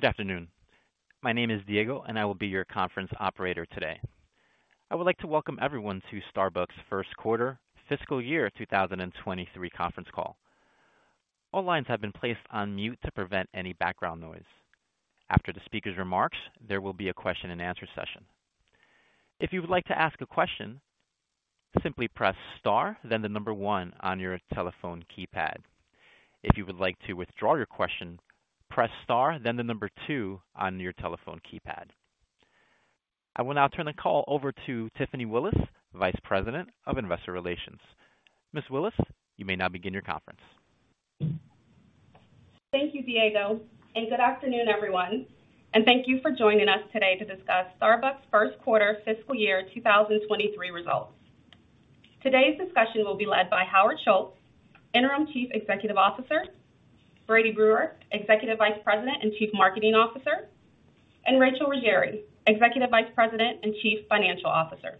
Good afternoon. My name is Diego, and I will be your conference operator today. I would like to welcome everyone to Starbucks first quarter fiscal year 2023 conference call. All lines have been placed on mute to prevent any background noise. After the speaker's remarks, there will be a question-and-answer session. If you would like to ask a question, simply press star, then the number one on your telephone keypad. If you would like to withdraw your question, press star, then the number two on your telephone keypad. I will now turn the call over to Tiffany Willis, Vice President of Investor Relations. Ms. Willis, you may now begin your conference. Thank you, Diego, good afternoon, everyone. Thank you for joining us today to discuss Starbucks first quarter fiscal year 2023 results. Today's discussion will be led by Howard Schultz, Interim Chief Executive Officer. Brady Brewer, Executive Vice President and Chief Marketing Officer, and Rachel Ruggeri, Executive Vice President and Chief Financial Officer.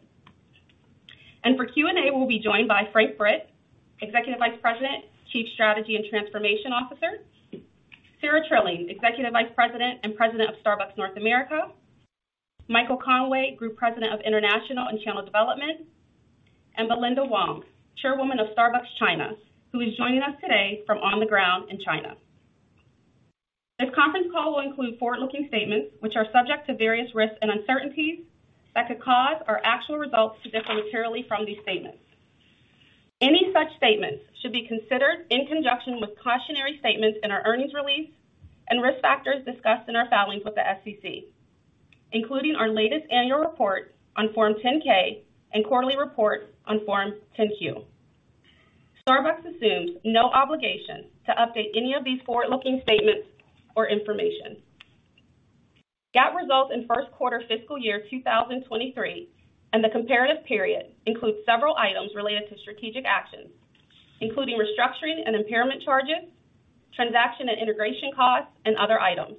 For Q&A, we'll be joined by Frank Britt, Executive Vice President, Chief Strategy and Transformation Officer. Sara Trilling, Executive Vice President and President of Starbucks North America. Michael Conway, Group President of International and Channel Development, and Belinda Wong, Chairwoman of Starbucks China, who is joining us today from on the ground in China. This conference call will include forward-looking statements which are subject to various risks and uncertainties that could cause or actual results to differ materially from these statements. Any such statements should be considered in conjunction with cautionary statements in our earnings release and risk factors discussed in our filings with the SEC, including our latest annual report on Form 10-K and quarterly reports on Form 10-Q. Starbucks assumes no obligation to update any of these forward-looking statements or information. GAAP results in first quarter fiscal year 2023 and the comparative period includes several items related to strategic actions, including restructuring and impairment charges, transaction and integration costs, and other items.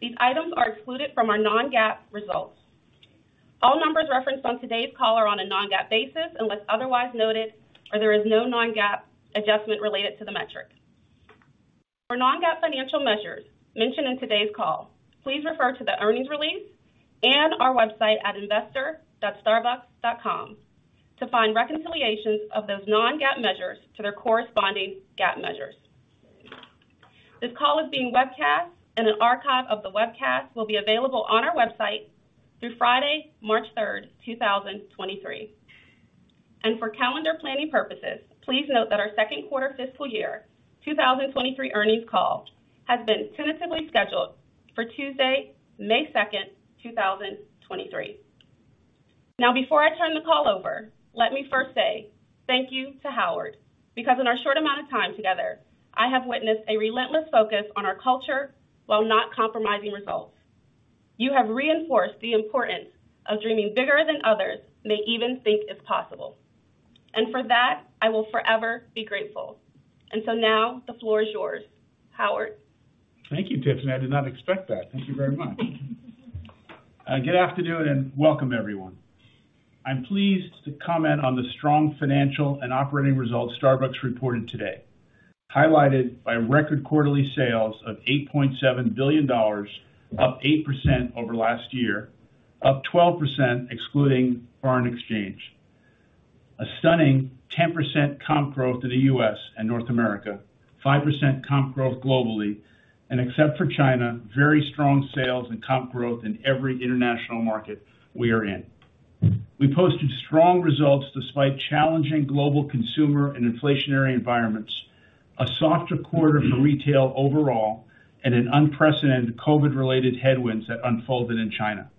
These items are excluded from our non-GAAP results. All numbers referenced on today's call are on a non-GAAP basis, unless otherwise noted or there is no non-GAAP adjustment related to the metric. For non-GAAP financial measures mentioned in today's call, please refer to the earnings release and our website at investor.starbucks.com to find reconciliations of those non-GAAP measures to their corresponding GAAP measures. This call is being webcast and an archive of the webcast will be available on our website through Friday, March 3rd, 2023. For calendar planning purposes, please note that our second quarter fiscal year 2023 earnings call has been tentatively scheduled for Tuesday, May 2nd, 2023. Now, before I turn the call over, let me first say thank you to Howard, because in our short amount of time together, I have witnessed a relentless focus on our culture while not compromising results. You have reinforced the importance of dreaming bigger than others may even think is possible. For that, I will forever be grateful. Now the floor is yours. Howard. Thank you, Tiffany. I did not expect that. Thank you very much. Good afternoon and welcome, everyone. I'm pleased to comment on the strong financial and operating results Starbucks reported today, highlighted by record quarterly sales of $8.7 billion, up 8% over last year. Up 12% excluding foreign exchange. A stunning 10% comp growth in the U.S. and North America, 5% comp growth globally, and except for China, very strong sales and comp growth in every international market we are in. We posted strong results despite challenging global consumer and inflationary environments, a softer quarter for retail overall, and an unprecedented COVID-related headwinds that unfolded in China.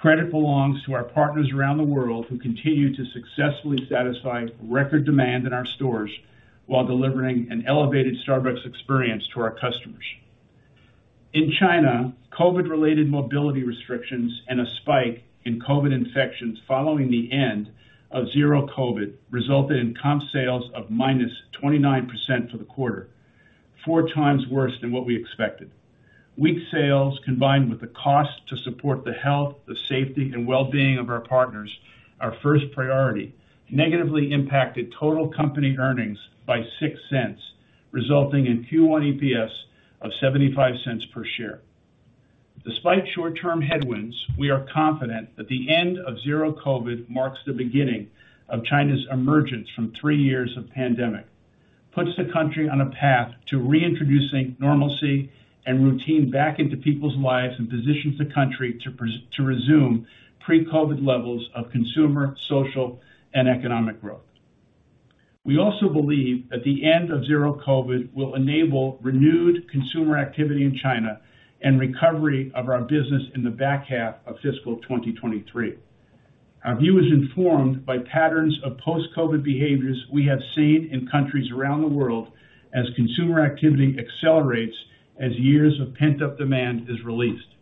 Credit belongs to our partners around the world who continue to successfully satisfy record demand in our stores while delivering an elevated Starbucks experience to our customers. In China, COVID-related mobility restrictions and a spike in COVID infections following the end of zero COVID resulted in comp sales of -29% for the quarter, four times worse than what we expected. Weak sales, combined with the cost to support the health, the safety, and well-being of our partners, our first priority, negatively impacted total company earnings by $0.06, resulting in Q1 EPS of $0.75 per share. Despite short-term headwinds, we are confident that the end of zero COVID marks the beginning of China's emergence from three years of pandemic, puts the country on a path to reintroducing normalcy and routine back into people's lives, and positions the country to resume pre-COVID levels of consumer, social, and economic growth. We also believe that the end of zero COVID will enable renewed consumer activity in China and recovery of our business in the back half of fiscal 2023. Our view is informed by patterns of post-COVID behaviors we have seen in countries around the world as consumer activity accelerates as years of pent-up demand is released.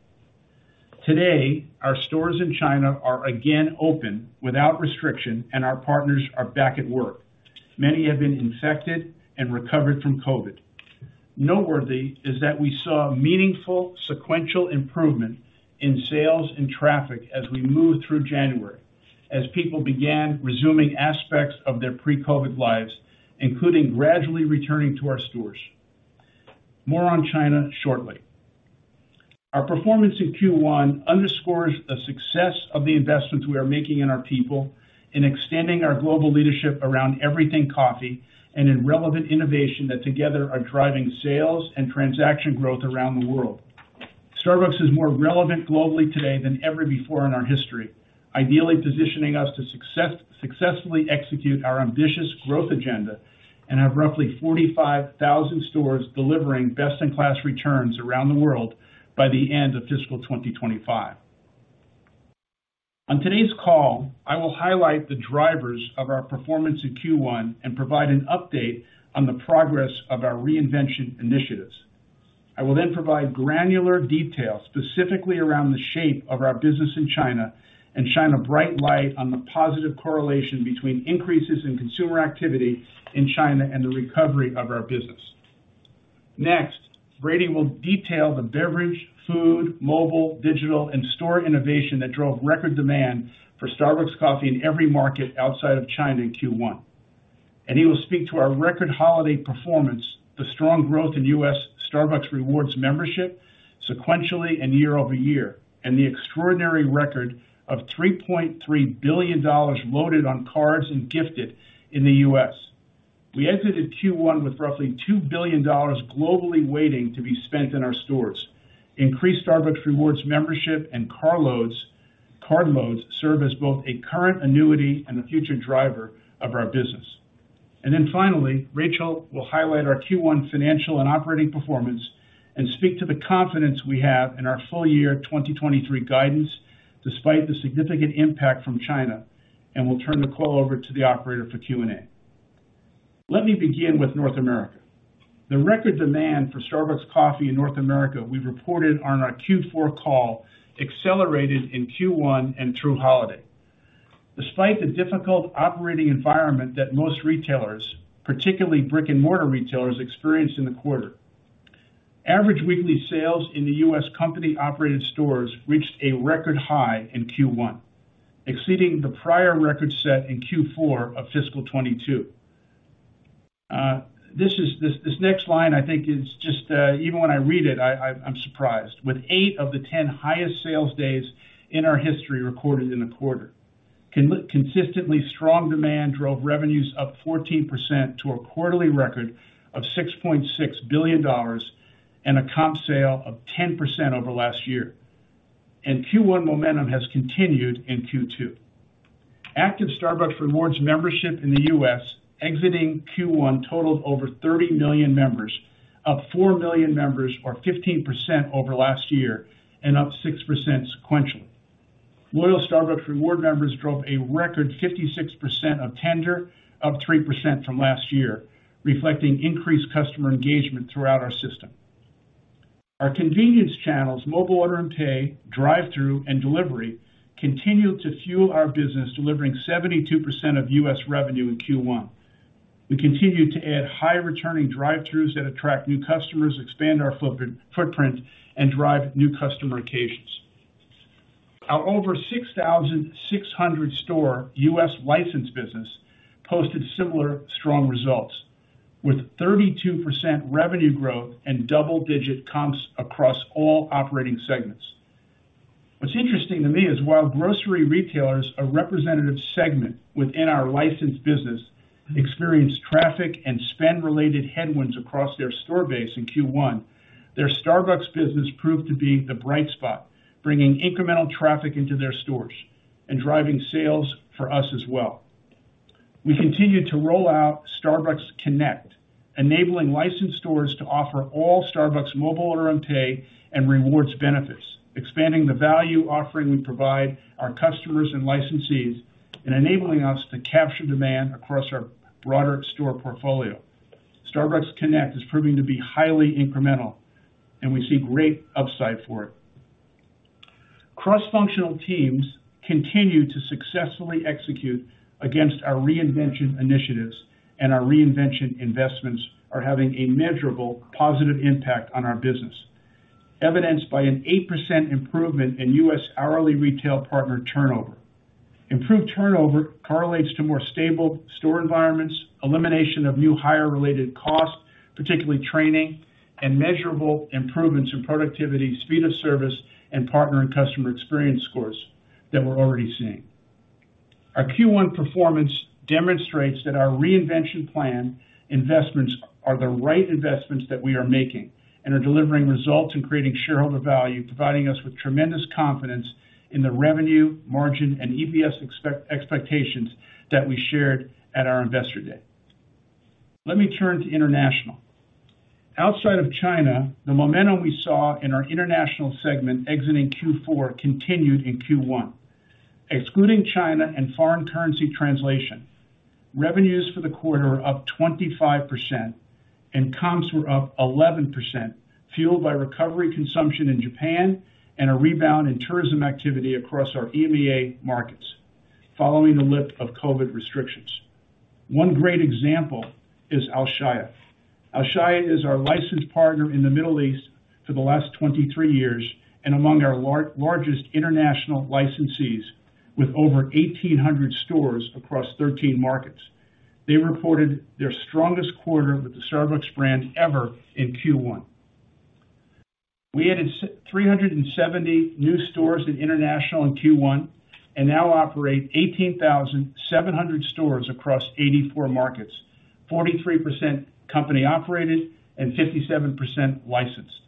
Today, our stores in China are again open without restriction and our partners are back at work. Many have been infected and recovered from COVID. Noteworthy is that we saw a meaningful sequential improvement in sales and traffic as we moved through January. As people began resuming aspects of their pre-COVID lives, including gradually returning to our stores. More on China shortly. Our performance in Q1 underscores the success of the investments we are making in our people in extending our global leadership around everything coffee and in relevant innovation that together are driving sales and transaction growth around the world. Starbucks is more relevant globally today than ever before in our history, ideally positioning us to successfully execute our ambitious growth agenda and have roughly 45,000 stores delivering best in class returns around the world by the end of fiscal 2025. On today's call, I will highlight the drivers of our performance in Q1 and provide an update on the progress of our reinvention initiatives. I will then provide granular details, specifically around the shape of our business in China and shine a bright light on the positive correlation between increases in consumer activity in China and the recovery of our business. Next, Brady will detail the beverage, food, mobile, digital, and store innovation that drove record demand for Starbucks coffee in every market outside of China in Q1. He will speak to our record holiday performance, the strong growth in U.S. Starbucks Rewards membership sequentially and year-over-year, and the extraordinary record of $3.3 billion loaded on cards and gifted in the U.S. We exited Q1 with roughly $2 billion globally waiting to be spent in our stores. Increased Starbucks Rewards membership and card loads, card loads serve as both a current annuity and a future driver of our business. Finally, Rachel will highlight our Q1 financial and operating performance and speak to the confidence we have in our full year 2023 guidance, despite the significant impact from China. We'll turn the call over to the operator for Q&A. Let me begin with North America. The record demand for Starbucks coffee in North America we reported on our Q4 call accelerated in Q1 and through holiday. Despite the difficult operating environment that most retailers, particularly brick-and-mortar retailers, experienced in the quarter. Average weekly sales in the U.S. company-operated stores reached a record high in Q1, exceeding the prior record set in Q4 of fiscal 2022. This next line I think is just, even when I read it, I'm surprised. With eight of the 10 highest sales days in our history recorded in the quarter. Consistently strong demand drove revenues up 14% to a quarterly record of $6.6 billion and a comp sale of 10% over last year. Q1 momentum has continued in Q2. Active Starbucks Rewards membership in the U.S. exiting Q1 totaled over 30 million members, up 4 million members or 15% over last year and up 6% sequentially. Loyal Starbucks Rewards members drove a record 56% of tender, up 3% from last year, reflecting increased customer engagement throughout our system. Our convenience channels, Mobile Order & Pay, drive-thru, and delivery continued to fuel our business, delivering 72% of U.S. revenue in Q1. We continued to add high returning drive-thrus that attract new customers, expand our footprint, and drive new customer occasions. Our over 6,600 store U.S. licensed business posted similar strong results with 32% revenue growth and double-digit comps across all operating segments. What's interesting to me is while grocery retailers are representative segment within our licensed business, experience traffic and spend related headwinds across their store base in Q1, their Starbucks business proved to be the bright spot, bringing incremental traffic into their stores and driving sales for us as well. We continue to roll out Starbucks Connect, enabling licensed stores to offer all Starbucks Mobile Order & Pay and Rewards benefits, expanding the value offering we provide our customers and licensees and enabling us to capture demand across our broader store portfolio. Starbucks Connect is proving to be highly incremental, and we see great upside for it. Cross-functional teams continue to successfully execute against our reinvention initiatives, and our reinvention investments are having a measurable positive impact on our business, evidenced by an 8% improvement in U.S. hourly retail partner turnover. Improved turnover correlates to more stable store environments, elimination of new hire-related costs, particularly training and measurable improvements in productivity, speed of service, and partner and customer experience scores that we're already seeing. Our Q1 performance demonstrates that our reinvention plan investments are the right investments that we are making and are delivering results and creating shareholder value, providing us with tremendous confidence in the revenue, margin, and EPS expectations that we shared at our Investor Day. Let me turn to international. Outside of China, the momentum we saw in our international segment exiting Q4 continued in Q1. Excluding China and foreign currency translation, revenues for the quarter are up 25% and comps were up 11%, fueled by recovery consumption in Japan and a rebound in tourism activity across our EMEA markets following the lift of COVID restrictions. One great example is Alshaya. Alshaya is our licensed partner in the Middle East for the last 23 years and among our largest international licensees with over 1,800 stores across 13 markets. They reported their strongest quarter with the Starbucks brand ever in Q1. We added 370 new stores in international in Q1 and now operate 18,700 stores across 84 markets. 43% company operated and 57% licensed.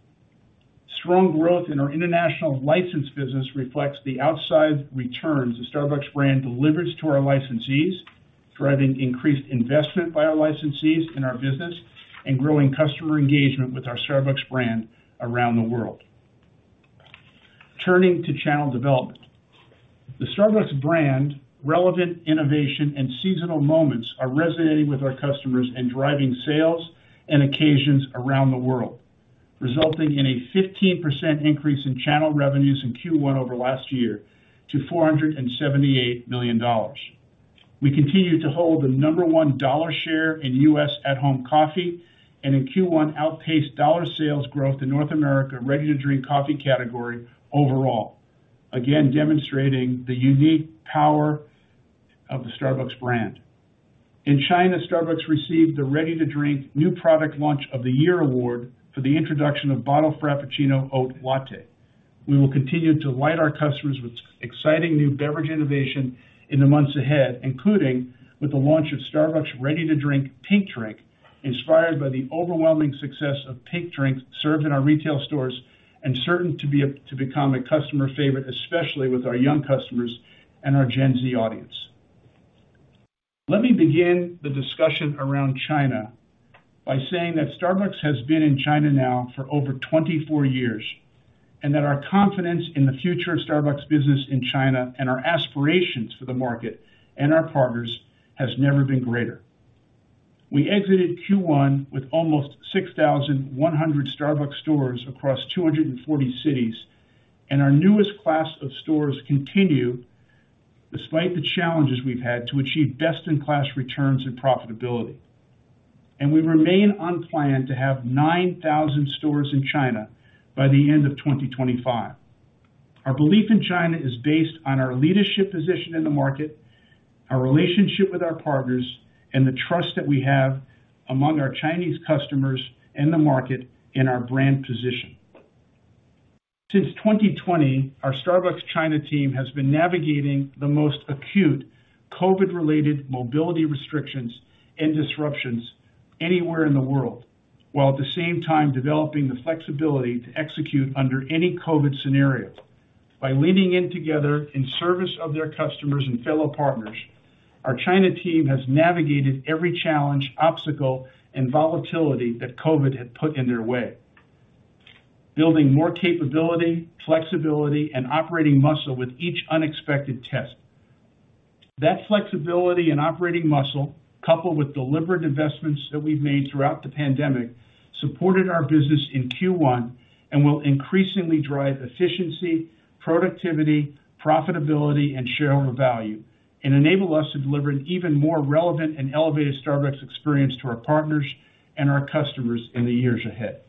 Strong growth in our international licensed business reflects the outside returns the Starbucks brand delivers to our licensees, driving increased investment by our licensees in our business and growing customer engagement with our Starbucks brand around the world. Turning to channel development. The Starbucks brand, relevant innovation, and seasonal moments are resonating with our customers and driving sales and occasions around the world, resulting in a 15% increase in channel revenues in Q1 over last year to $478 million. We continue to hold the number one dollar share in U.S. at home coffee, and in Q1, outpaced dollar sales growth in North America ready-to-drink coffee category overall. Again, demonstrating the unique power of the Starbucks brand. In China, Starbucks received the ready to drink new product launch of the year award for the introduction of bottled Frappuccino oat latte. We will continue to delight our customers with exciting new beverage innovation in the months ahead, including with the launch of Starbucks ready-to-drink Pink Drink, inspired by the overwhelming success of Pink Drink served in our retail stores and certain to become a customer favorite, especially with our young customers and our Gen Z audience. Let me begin the discussion around China by saying that Starbucks has been in China now for over 24 years, and that our confidence in the future of Starbucks business in China and our aspirations for the market and our partners has never been greater. We exited Q1 with almost 6,100 Starbucks stores across 240 cities, and our newest class of stores continue despite the challenges we've had to achieve best-in-class returns and profitability. We remain on plan to have 9,000 stores in China by the end of 2025. Our belief in China is based on our leadership position in the market, our relationship with our partners, and the trust that we have among our Chinese customers and the market in our brand position. Since 2020, our Starbucks China team has been navigating the most acute COVID-related mobility restrictions and disruptions anywhere in the world, while at the same time developing the flexibility to execute under any COVID scenario. By leaning in together in service of their customers and fellow partners, our China team has navigated every challenge, obstacle, and volatility that COVID had put in their way. Building more capability, flexibility, and operating muscle with each unexpected test. That flexibility and operating muscle, coupled with deliberate investments that we've made throughout the pandemic, supported our business in Q1 and will increasingly drive efficiency, productivity, profitability, and shareholder value, and enable us to deliver an even more relevant and elevated Starbucks experience to our partners and our customers in the years ahead.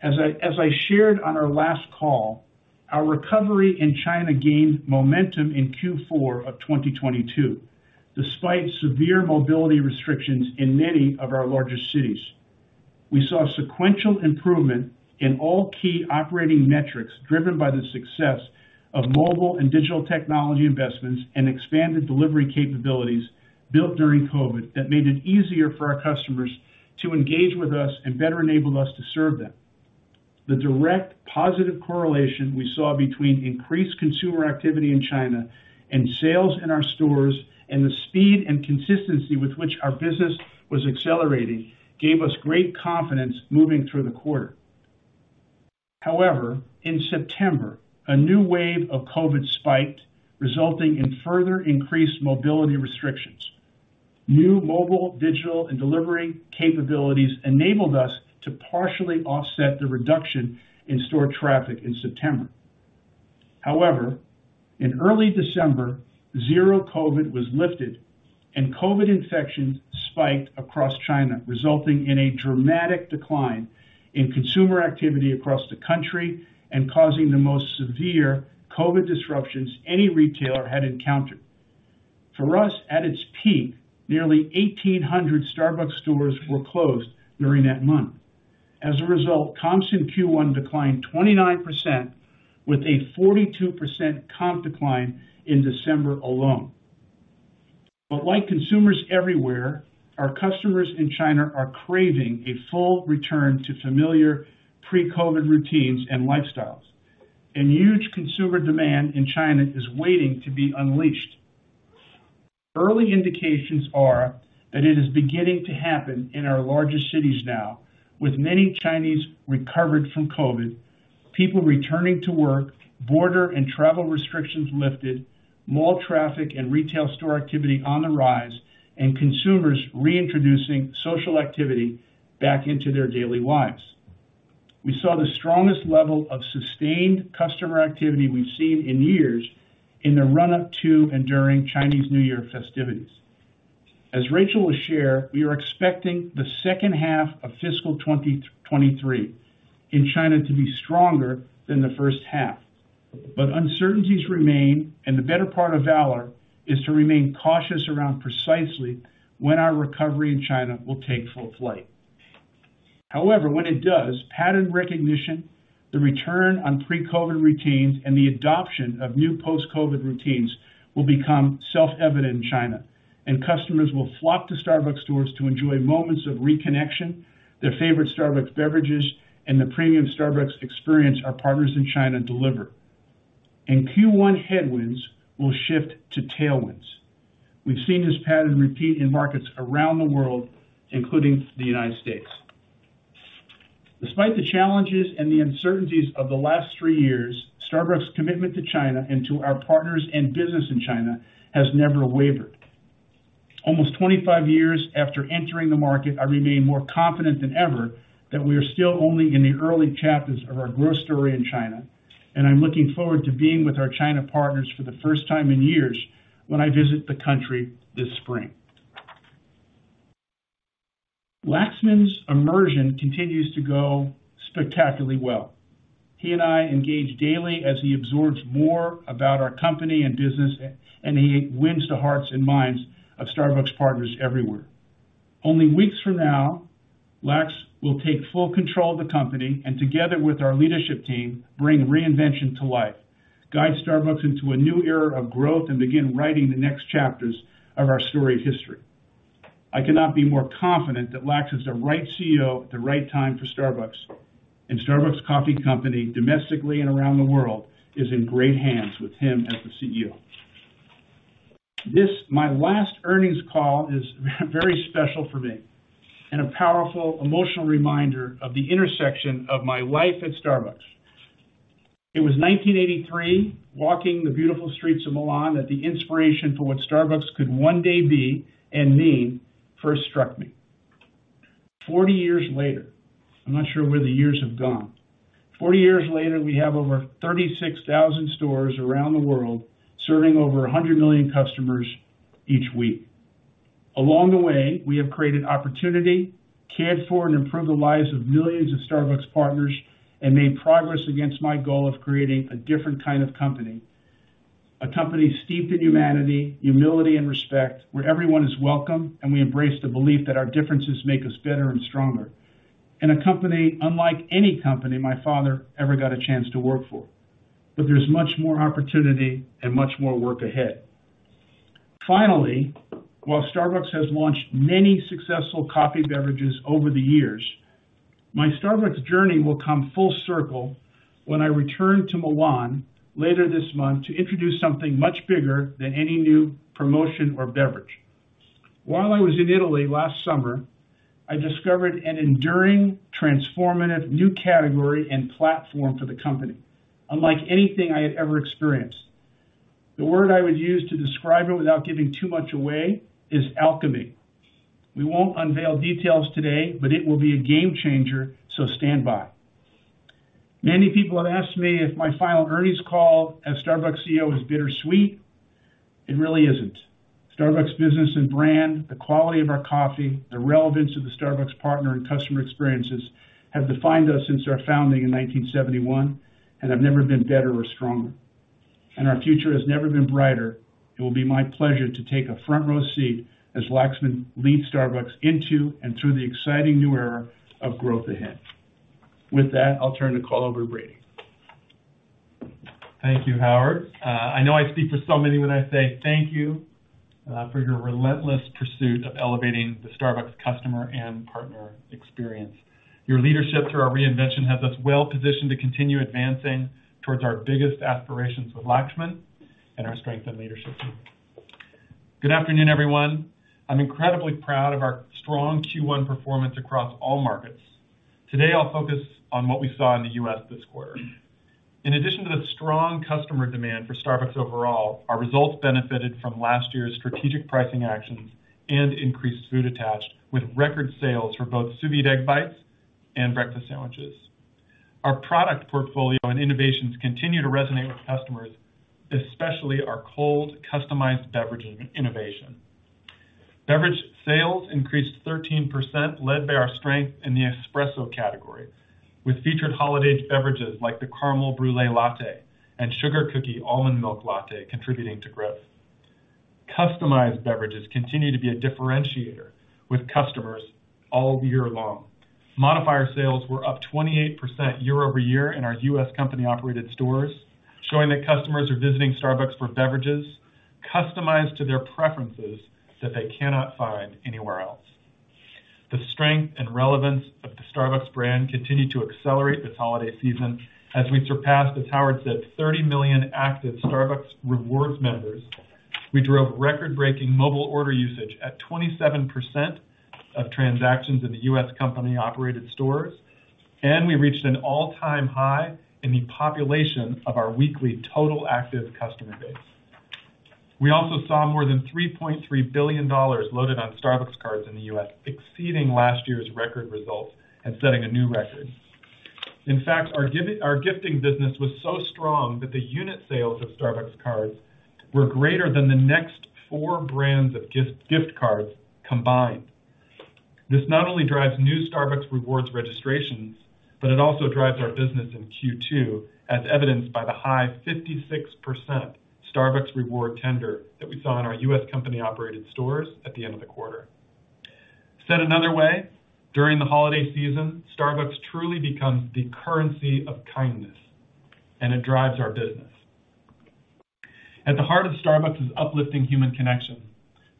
As I shared on our last call, our recovery in China gained momentum in Q4 of 2022, despite severe mobility restrictions in many of our largest cities. We saw sequential improvement in all key operating metrics driven by the success of mobile and digital technology investments and expanded delivery capabilities built during COVID that made it easier for our customers to engage with us and better enabled us to serve them. The direct positive correlation we saw between increased consumer activity in China and sales in our stores, and the speed and consistency with which our business was accelerating, gave us great confidence moving through the quarter. In September, a new wave of COVID spiked, resulting in further increased mobility restrictions. New mobile, digital, and delivery capabilities enabled us to partially offset the reduction in store traffic in September. In early December, zero COVID was lifted and COVID infections spiked across China, resulting in a dramatic decline in consumer activity across the country and causing the most severe COVID disruptions any retailer had encountered. For us, at its peak, nearly 1,800 Starbucks stores were closed during that month. Comps in Q1 declined 29% with a 42% comp decline in December alone. Like consumers everywhere, our customers in China are craving a full return to familiar pre-COVID routines and lifestyles, and huge consumer demand in China is waiting to be unleashed. Early indications are that it is beginning to happen in our largest cities now, with many Chinese recovered from COVID, people returning to work, border and travel restrictions lifted, mall traffic and retail store activity on the rise, and consumers reintroducing social activity back into their daily lives. We saw the strongest level of sustained customer activity we've seen in years in the run-up to and during Chinese New Year festivities. As Rachel will share, we are expecting the second half of fiscal 2023 in China to be stronger than the first half. Uncertainties remain, and the better part of valor is to remain cautious around precisely when our recovery in China will take full flight. However, when it does, pattern recognition, the return on pre-COVID routines, and the adoption of new post-COVID routines will become self-evident in China. Customers will flock to Starbucks stores to enjoy moments of reconnection, their favorite Starbucks beverages, and the premium Starbucks experience our partners in China deliver. Q1 headwinds will shift to tailwinds. We've seen this pattern repeat in markets around the world, including the United States. Despite the challenges and the uncertainties of the last three years, Starbucks' commitment to China and to our partners and business in China has never wavered. Almost 25 years after entering the market, I remain more confident than ever that we are still only in the early chapters of our growth story in China, and I'm looking forward to being with our China partners for the first time in years when I visit the country this spring. Laxman's immersion continues to go spectacularly well. He and I engage daily as he absorbs more about our company and business, and he wins the hearts and minds of Starbucks partners everywhere. Only weeks from now, Lax will take full control of the company, and together with our leadership team, bring reinvention to life, guide Starbucks into a new era of growth, and begin writing the next chapters of our storied history. I cannot be more confident that Lax is the right CEO at the right time for Starbucks. Starbucks Coffee Company, domestically and around the world, is in great hands with him as the CEO. This, my last earnings call, is very special for me and a powerful emotional reminder of the intersection of my life at Starbucks. It was 1983, walking the beautiful streets of Milan, that the inspiration for what Starbucks could one day be and mean first struck me. 40 years later, I'm not sure where the years have gone. 40 years later, we have over 36,000 stores around the world, serving over 100 million customers each week. Along the way, we have created opportunity, cared for and improved the lives of millions of Starbucks partners and made progress against my goal of creating a different kind of company. A company steeped in humanity, humility, and respect, where everyone is welcome, and we embrace the belief that our differences make us better and stronger. A company unlike any company my father ever got a chance to work for. There's much more opportunity and much more work ahead. Finally, while Starbucks has launched many successful coffee beverages over the years, my Starbucks journey will come full circle when I return to Milan later this month to introduce something much bigger than any new promotion or beverage. While I was in Italy last summer, I discovered an enduring, transformative new category and platform for the company unlike anything I had ever experienced. The word I would use to describe it without giving too much away is alchemy. We won't unveil details today, but it will be a game changer, so stand by. Many people have asked me if my final earnings call as Starbucks CEO is bittersweet. It really isn't. Starbucks business and brand, the quality of our coffee, the relevance of the Starbucks partner and customer experiences have defined us since our founding in 1971 and have never been better or stronger. Our future has never been brighter. It will be my pleasure to take a front row seat as Laxman leads Starbucks into and through the exciting new era of growth ahead. With that, I'll turn the call over to Brady. Thank you, Howard. I know I speak for so many when I say thank you, for your relentless pursuit of elevating the Starbucks customer and partner experience. Your leadership through our reinvention has us well positioned to continue advancing towards our biggest aspirations with Laxman and our strengthened leadership team. Good afternoon, everyone. I'm incredibly proud of our strong Q1 performance across all markets. Today, I'll focus on what we saw in the U.S. this quarter. In addition to the strong customer demand for Starbucks overall, our results benefited from last year's strategic pricing actions and increased food attached with record sales for both Sous Vide Egg Bites and breakfast sandwiches. Our product portfolio and innovations continue to resonate with customers, especially our cold, customized beverage innovation. Beverage sales increased 13%, led by our strength in the espresso category, with featured holiday beverages like the Caramel Brulée Latte and Sugar Cookie Almondmilk Latte contributing to growth. Customized beverages continue to be a differentiator with customers all year long. Modifier sales were up 28% year-over-year in our U.S. company-operated stores, showing that customers are visiting Starbucks for beverages customized to their preferences that they cannot find anywhere else. The strength and relevance of the Starbucks brand continued to accelerate this holiday season as we surpassed, as Howard said, 30 million active Starbucks Rewards members. We drove record-breaking mobile order usage at 27% of transactions in the U.S. company-operated stores. We reached an all-time high in the population of our weekly total active customer base. We also saw more than $3.3 billion loaded on Starbucks cards in the U.S., exceeding last year's record results and setting a new record. In fact, our gifting business was so strong that the unit sales of Starbucks cards were greater than the next four brands of gift cards combined. This not only drives new Starbucks Rewards registrations, but it also drives our business in Q2, as evidenced by the high 56% Starbucks Rewards tender that we saw in our U.S. company-operated stores at the end of the quarter. Said another way, during the holiday season, Starbucks truly becomes the currency of kindness. It drives our business. At the heart of Starbucks is uplifting human connection.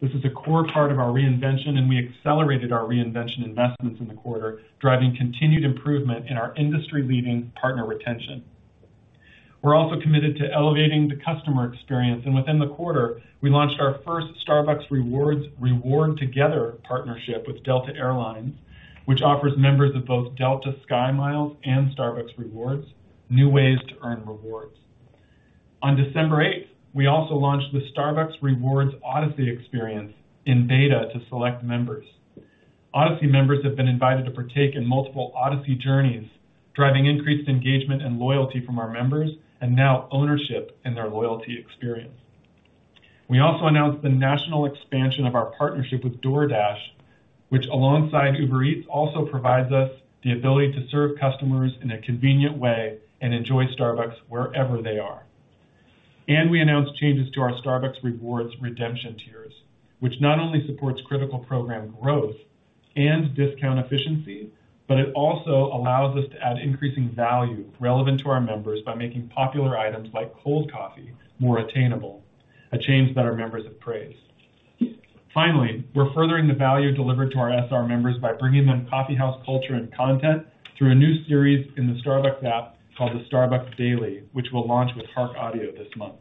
This is a core part of our reinvention, and we accelerated our reinvention investments in the quarter, driving continued improvement in our industry-leading partner retention. We're also committed to elevating the customer experience, and within the quarter, we launched our first Starbucks Rewards Reward Together partnership with Delta Air Lines, which offers members of both Delta SkyMiles and Starbucks Rewards new ways to earn rewards. On December 8th, we also launched the Starbucks Rewards Odyssey experience in beta to select members. Odyssey members have been invited to partake in multiple Odyssey journeys, driving increased engagement and loyalty from our members, and now ownership in their loyalty experience. We also announced the national expansion of our partnership with DoorDash, which, alongside Uber Eats, also provides us the ability to serve customers in a convenient way and enjoy Starbucks wherever they are. We announced changes to our Starbucks Rewards redemption tiers, which not only supports critical program growth and discount efficiency, but it also allows us to add increasing value relevant to our members by making popular items like cold coffee more attainable, a change that our members have praised. Finally, we're furthering the value delivered to our SR members by bringing them coffee house culture and content through a new series in the Starbucks app called the Starbucks Daily, which we'll launch with Hark Audio this month.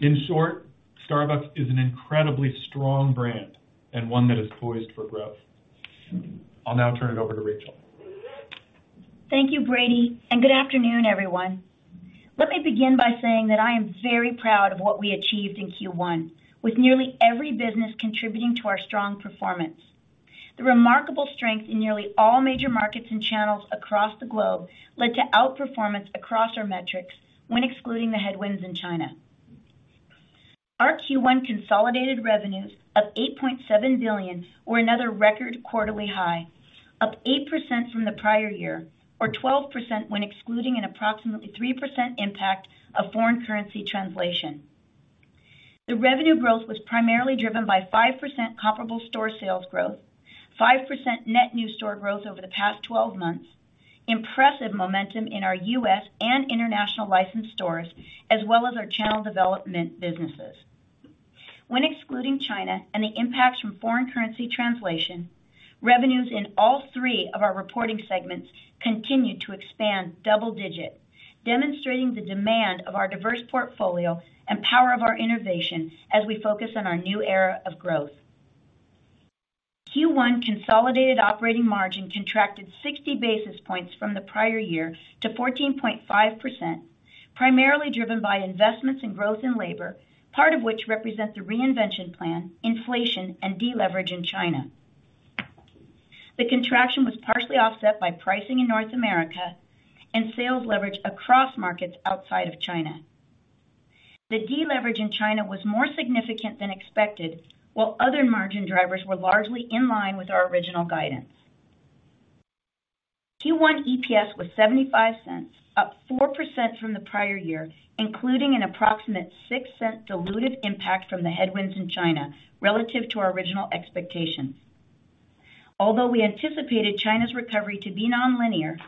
In short, Starbucks is an incredibly strong brand and one that is poised for growth. I'll now turn it over to Rachel. Thank you, Brady. Good afternoon, everyone. Let me begin by saying that I am very proud of what we achieved in Q1, with nearly every business contributing to our strong performance. The remarkable strength in nearly all major markets and channels across the globe led to outperformance across our metrics when excluding the headwinds in China. Our Q1 consolidated revenues of $8.7 billion were another record quarterly high, up 8% from the prior year or 12% when excluding an approximately 3% impact of foreign currency translation. The revenue growth was primarily driven by 5% comparable store sales growth, 5% net new store growth over the past 12 months, impressive momentum in our U.S. and international licensed stores, as well as our channel development businesses. When excluding China and the impacts from foreign currency translation, revenues in all three of our reporting segments continued to expand double-digit, demonstrating the demand of our diverse portfolio and power of our innovation as we focus on our new era of growth. Q1 consolidated operating margin contracted 60 basis points from the prior year to 14.5%, primarily driven by investments in growth in labor, part of which represents the reinvention plan, inflation, and deleverage in China. The contraction was partially offset by pricing in North America and sales leverage across markets outside of China. The deleverage in China was more significant than expected, while other margin drivers were largely in line with our original guidance. Q1 EPS was $0.75, up 4% from the prior year, including an approximate $0.06 diluted impact from the headwinds in China relative to our original expectations. Although we anticipated China's recovery to be nonlinear,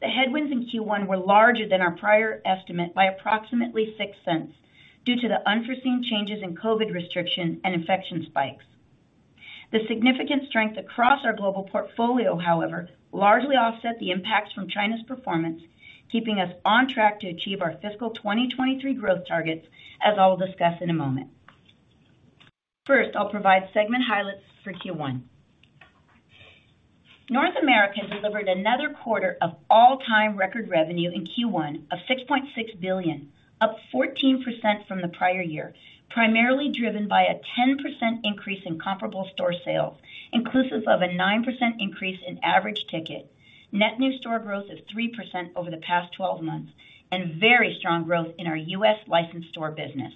the headwinds in Q1 were larger than our prior estimate by approximately $0.06 due to the unforeseen changes in COVID restriction and infection spikes. The significant strength across our global portfolio, however, largely offset the impacts from China's performance, keeping us on track to achieve our fiscal 2023 growth targets, as I'll discuss in a moment. First, I'll provide segment highlights for Q1. North America delivered another quarter of all-time record revenue in Q1 of $6.6 billion, up 14% from the prior year, primarily driven by a 10% increase in comparable store sales, inclusive of a 9% increase in average ticket. Net new store growth of 3% over the past 12 months and very strong growth in our U.S. licensed store business.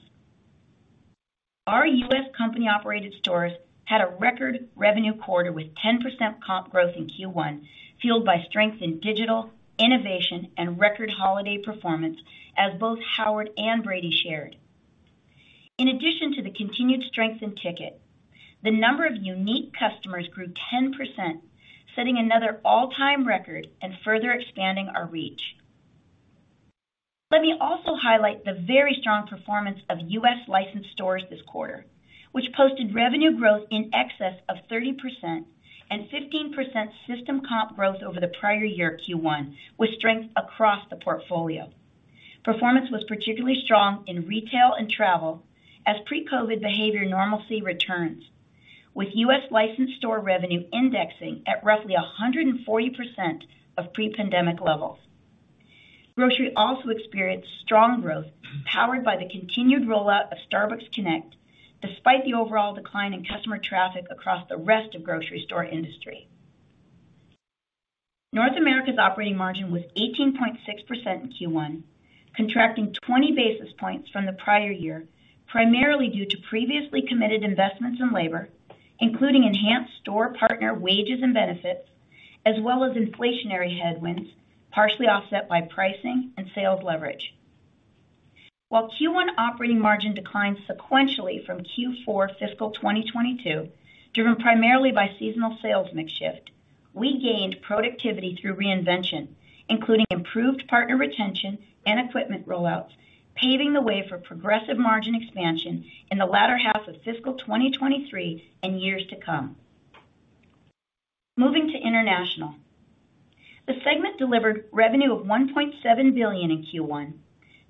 Our U.S. company-operated stores had a record revenue quarter with 10% comp growth in Q1, fueled by strength in digital, innovation, and record holiday performance, as both Howard and Brady shared. In addition to the continued strength in ticket, the number of unique customers grew 10%, setting another all-time record and further expanding our reach. Let me also highlight the very strong performance of U.S. licensed stores this quarter, which posted revenue growth in excess of 30% and 15% system comp growth over the prior year Q1, with strength across the portfolio. Performance was particularly strong in retail and travel as pre-COVID behavior normalcy returns, with U.S. licensed store revenue indexing at roughly 140% of pre-pandemic levels. Grocery also experienced strong growth powered by the continued rollout of Starbucks Connect, despite the overall decline in customer traffic across the rest of grocery store industry. North America's operating margin was 18.6% in Q1, contracting 20 basis points from the prior year, primarily due to previously committed investments in labor, including enhanced store partner wages and benefits, as well as inflationary headwinds, partially offset by pricing and sales leverage. While Q1 operating margin declined sequentially from Q4 fiscal 2022, driven primarily by seasonal sales mix shift, we gained productivity through reinvention, including improved partner retention and equipment rollouts, paving the way for progressive margin expansion in the latter half of fiscal 2023 and years to come. Moving to international. The segment delivered revenue of $1.7 billion in Q1,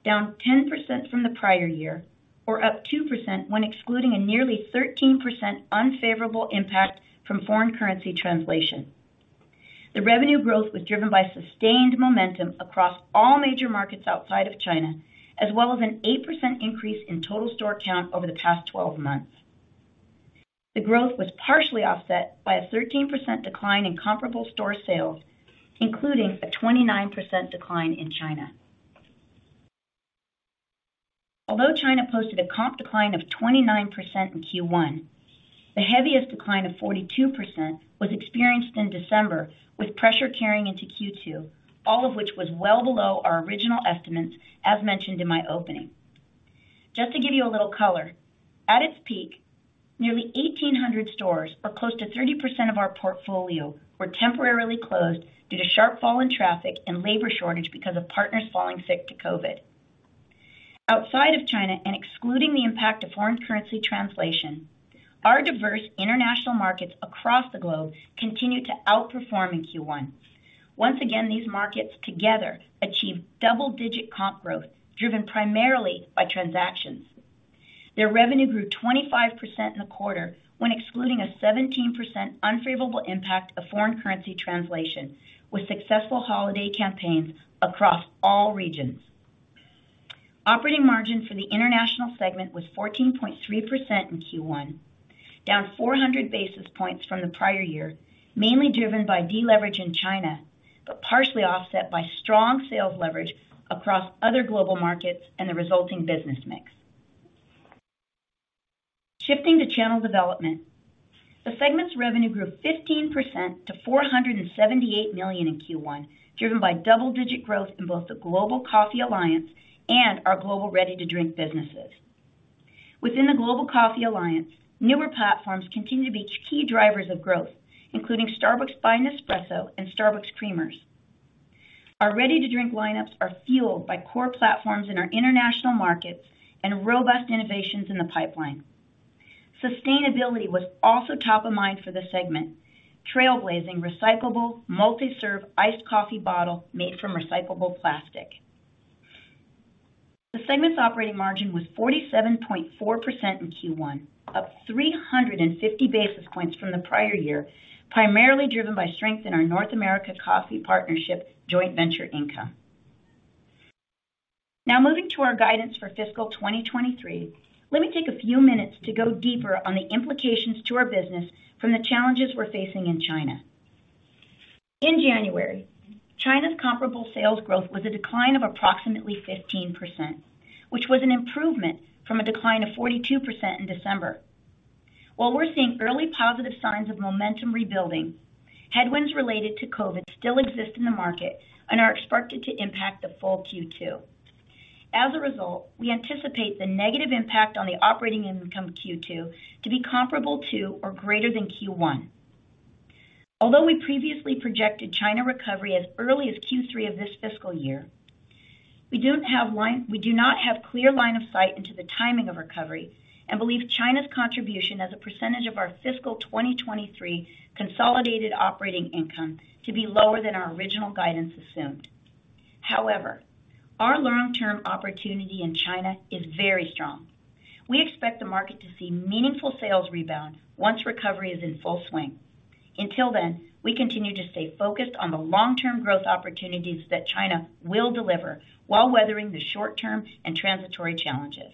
down 10% from the prior year, or up 2% when excluding a nearly 13% unfavorable impact from foreign currency translation. The revenue growth was driven by sustained momentum across all major markets outside of China, as well as an 8% increase in total store count over the past 12 months. The growth was partially offset by a 13% decline in comparable store sales, including a 29% decline in China. Although China posted a comp decline of 29% in Q1, the heaviest decline of 42% was experienced in December, with pressure carrying into Q2, all of which was well below our original estimates, as mentioned in my opening. Just to give you a little color, at its peak, nearly 1,800 stores or close to 30% of our portfolio were temporarily closed due to sharp fall in traffic and labor shortage because of partners falling sick to COVID. Outside of China and excluding the impact of foreign currency translation, our diverse international markets across the globe continued to outperform in Q1. Once again, these markets together achieved double-digit comp growth, driven primarily by transactions. Their revenue grew 25% in the quarter when excluding a 17% unfavorable impact of foreign currency translation with successful holiday campaigns across all regions. Operating margin for the international segment was 14.3% in Q1, down 400 basis points from the prior year, mainly driven by deleverage in China, partially offset by strong sales leverage across other global markets and the resulting business mix. Shifting to channel development. The segment's revenue grew 15% to $478 million in Q1, driven by double-digit growth in both the Global Coffee Alliance and our global ready-to-drink businesses. Within the Global Coffee Alliance, newer platforms continue to be key drivers of growth, including Starbucks by Nespresso and Starbucks Creamers. Our ready-to-drink lineups are fueled by core platforms in our international markets and robust innovations in the pipeline. Sustainability was also top of mind for the segment. Trailblazing recyclable, multi-serve iced coffee bottle made from recyclable plastic. The segment's operating margin was 47.4% in Q one, up 350 basis points from the prior year, primarily driven by strength in our North American Coffee Partnership joint venture income. Moving to our guidance for fiscal 2023, let me take a few minutes to go deeper on the implications to our business from the challenges we're facing in China. In January, China's comparable sales growth was a decline of approximately 15%, which was an improvement from a decline of 42% in December. While we're seeing early positive signs of momentum rebuilding, headwinds related to Covid still exist in the market and are expected to impact the full Q two. As a result, we anticipate the negative impact on the operating income Q two to be comparable to or greater than Q one. Although we previously projected China recovery as early as Q3 of this fiscal year, we do not have clear line of sight into the timing of recovery and believe China's contribution as a percentage of our fiscal 2023 consolidated operating income to be lower than our original guidance assumed. However, our long-term opportunity in China is very strong. We expect the market to see meaningful sales rebound once recovery is in full swing. Until then, we continue to stay focused on the long-term growth opportunities that China will deliver while weathering the short-term and transitory challenges.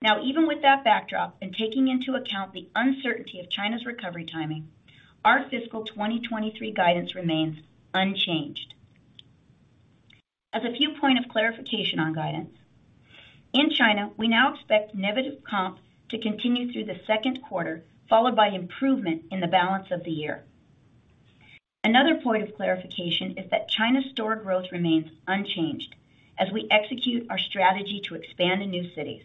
Now, even with that backdrop and taking into account the uncertainty of China's recovery timing, our fiscal 2023 guidance remains unchanged. As a few point of clarification on guidance. In China, we now expect negative comps to continue through the second quarter, followed by improvement in the balance of the year. Another point of clarification is that China's store growth remains unchanged as we execute our strategy to expand in new cities.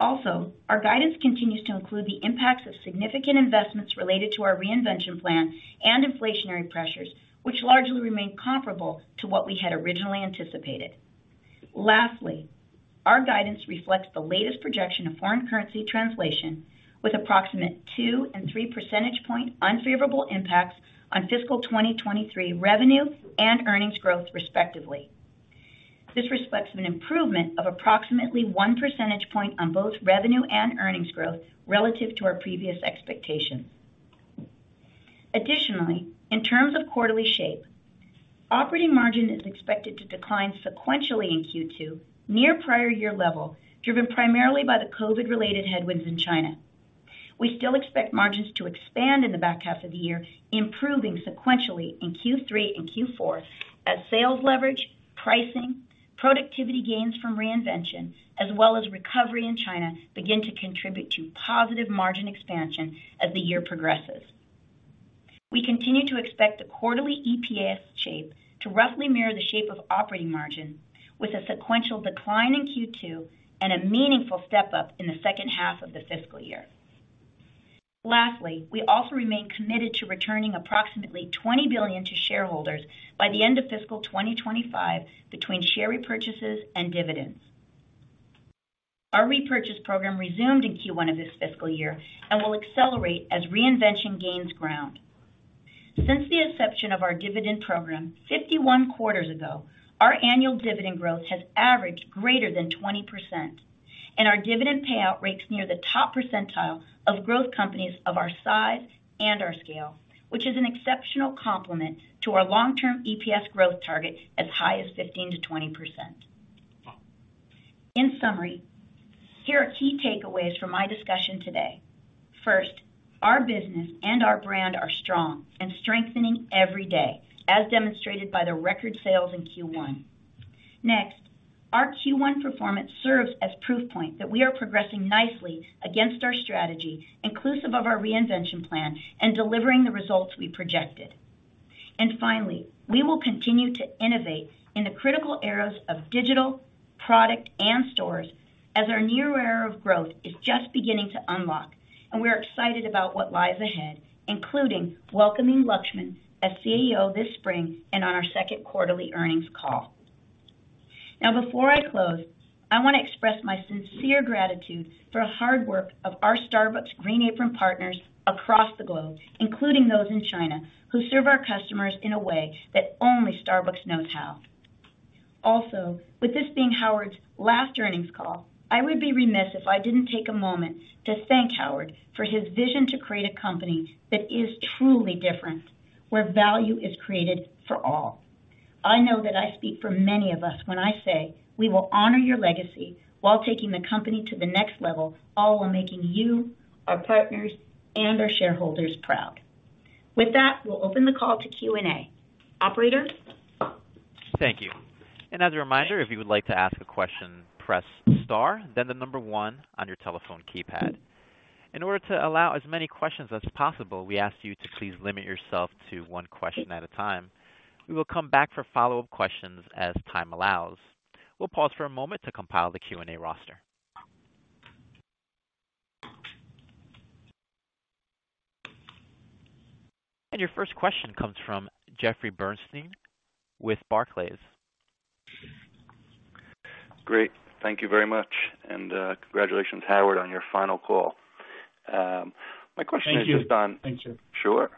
Our guidance continues to include the impacts of significant investments related to our reinvention plan and inflationary pressures, which largely remain comparable to what we had originally anticipated. Our guidance reflects the latest projection of foreign currency translation with approximate 2 and 3 percentage point unfavorable impacts on fiscal 2023 revenue and earnings growth, respectively. This reflects an improvement of approximately 1 percentage point on both revenue and earnings growth relative to our previous expectations. In terms of quarterly shape, operating margin is expected to decline sequentially in Q2 near prior year level, driven primarily by the COVID-related headwinds in China. We still expect margins to expand in the back half of the year, improving sequentially in Q3 and Q4 as sales leverage, pricing, productivity gains from reinvention, as well as recovery in China begin to contribute to positive margin expansion as the year progresses. We continue to expect the quarterly EPS shape to roughly mirror the shape of operating margin with a sequential decline in Q2 and a meaningful step up in the second half of the fiscal year. Lastly, we also remain committed to returning approximately $20 billion to shareholders by the end of fiscal 2025 between share repurchases and dividends. Our repurchase program resumed in Q1 of this fiscal year and will accelerate as reinvention gains ground. Since the inception of our dividend program 51 quarters ago, our annual dividend growth has averaged greater than 20%, and our dividend payout rates near the top percentile of growth companies of our size and our scale. Which is an exceptional complement to our long-term EPS growth target as high as 15%-20%. In summary, here are key takeaways from my discussion today. First, our business and our brand are strong and strengthening every day, as demonstrated by the record sales in Q1. Next, our Q1 performance serves as proof point that we are progressing nicely against our strategy, inclusive of our reinvention plan and delivering the results we projected. Finally, we will continue to innovate in the critical eras of digital, product, and stores as our new era of growth is just beginning to unlock, and we're excited about what lies ahead, including welcoming Laxman as CEO this spring and on our second quarterly earnings call. Before I close, I want to express my sincere gratitude for the hard work of our Starbucks green apron partners across the globe, including those in China, who serve our customers in a way that only Starbucks knows how. With this being Howard's last earnings call, I would be remiss if I didn't take a moment to thank Howard for his vision to create a company that is truly different, where value is created for all. I know that I speak for many of us when I say we will honor your legacy while taking the company to the next level, all while making you, our partners, and our shareholders proud. With that, we'll open the call to Q&A. Operator? Thank you. As a reminder, if you would like to ask a question, press star, then the one on your telephone keypad. In order to allow as many questions as possible, we ask you to please limit yourself to one question at a time. We will come back for follow-up questions as time allows. We'll pause for a moment to compile the Q&A roster. Your first question comes from Jeffrey Bernstein with Barclays. Great. Thank you very much. Congratulations, Howard, on your final call. My question is just. Thank you. Sure.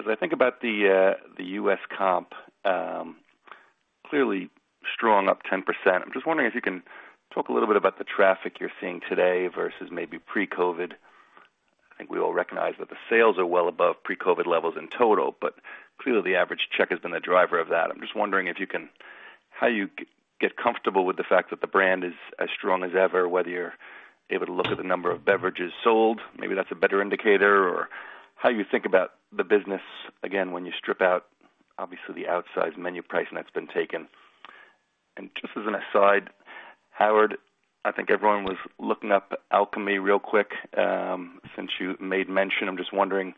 As I think about the U.S. comp, clearly strong up 10%. I'm just wondering if you can talk a little bit about the traffic you're seeing today versus maybe pre-COVID. I think we all recognize that the sales are well above pre-COVID levels in total, but clearly, the average check has been the driver of that. I'm just wondering if you can. How you get comfortable with the fact that the brand is as strong as ever, whether you're able to look at the number of beverages sold, maybe that's a better indicator, or how you think about the business again, when you strip out obviously the outsized menu pricing that's been taken. Just as an aside, Howard, I think everyone was looking up alchemy real quick, since you made mention. I'm just wondering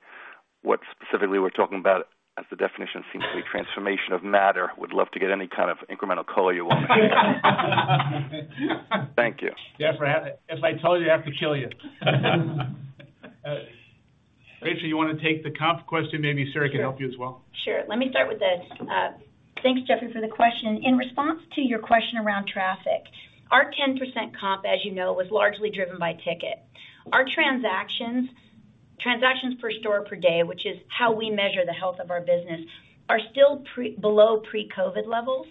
what specifically we're talking about as the definition seems to be transformation of matter. Would love to get any kind of incremental color you want. Thank you. Jeffrey, if I told you, I have to kill you. Rachel, you wanna take the comp question? Maybe Sara can help you as well. Sure. Let me start with that. Thanks, Jeffrey, for the question. In response to your question around traffic, our 10% comp, as you know, was largely driven by ticket. Our transactions per store per day, which is how we measure the health of our business, are still below pre-COVID levels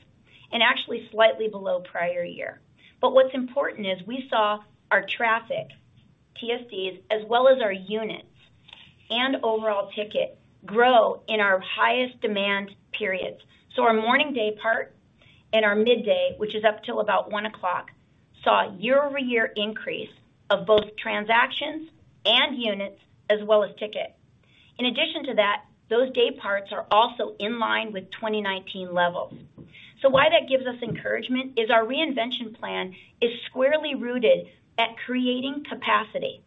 and actually slightly below prior year. What's important is we saw our traffic TSDs as well as our units and overall ticket grow in our highest demand periods. Our morning day part and our midday, which is up 'til about 1:00 P.M., saw year-over-year increase of both transactions and units as well as ticket. In addition to that, those day parts are also in line with 2019 levels. Why that gives us encouragement is our reinvention plan is squarely rooted at creating capacity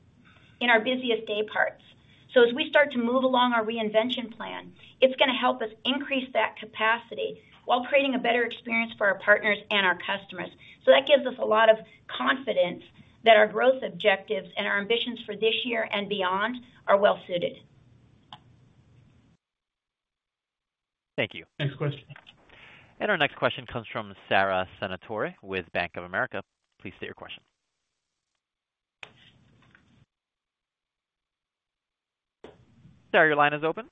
in our busiest day parts. As we start to move along our reinvention plan, it's gonna help us increase that capacity while creating a better experience for our partners and our customers. That gives us a lot of confidence that our growth objectives and our ambitions for this year and beyond are well suited. Thank you. Next question. Our next question comes from Sara Senatore with Bank of America. Please state your question. Sara, your line is open.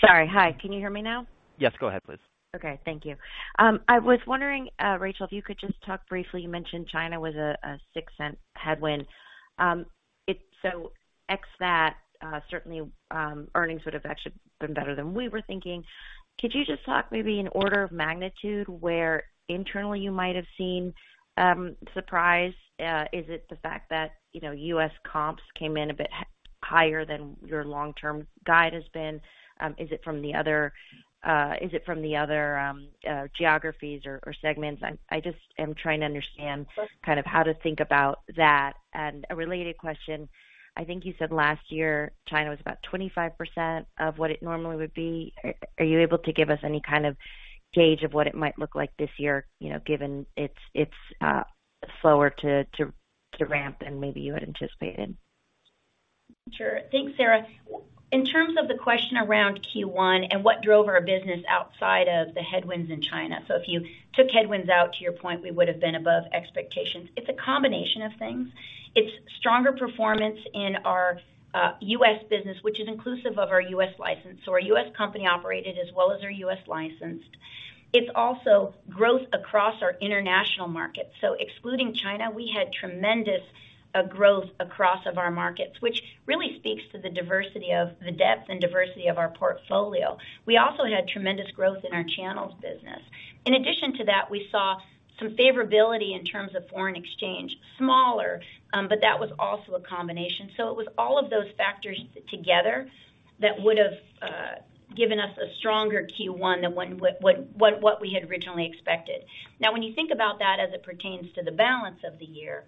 Sorry. Hi, can you hear me now? Yes, go ahead, please. Okay, thank you. I was wondering, Rachel, if you could just talk briefly. You mentioned China was a $0.06 headwind. If so, ex that, certainly, earnings would have actually been better than we were thinking. Could you just talk maybe an order of magnitude where internally you might have seen surprise? Is it the fact that, you know, U.S. comps came in a bit higher than your long-term guide has been? Is it from the other geographies or segments? I just am trying to understand kind of how to think about that. A related question. I think you said last year, China was about 25% of what it normally would be. Are you able to give us any kind of gauge of what it might look like this year, you know, given it's slower to ramp than maybe you had anticipated? Sure. Thanks, Sara. In terms of the question around Q1 and what drove our business outside of the headwinds in China, if you took headwinds out to your point, we would have been above expectations. It's a combination of things. It's stronger performance in our U.S. business, which is inclusive of our U.S. license. Our U.S. company operated as well as our U.S. licensed. It's also growth across our international markets. Excluding China, we had tremendous growth across of our markets, which really speaks to the depth and diversity of our portfolio. We also had tremendous growth in our channels business. In addition to that, we saw some favorability in terms of foreign exchange. Smaller, that was also a combination. It was all of those factors together that would've given us a stronger Q1 than what we had originally expected. When you think about that as it pertains to the balance of the year,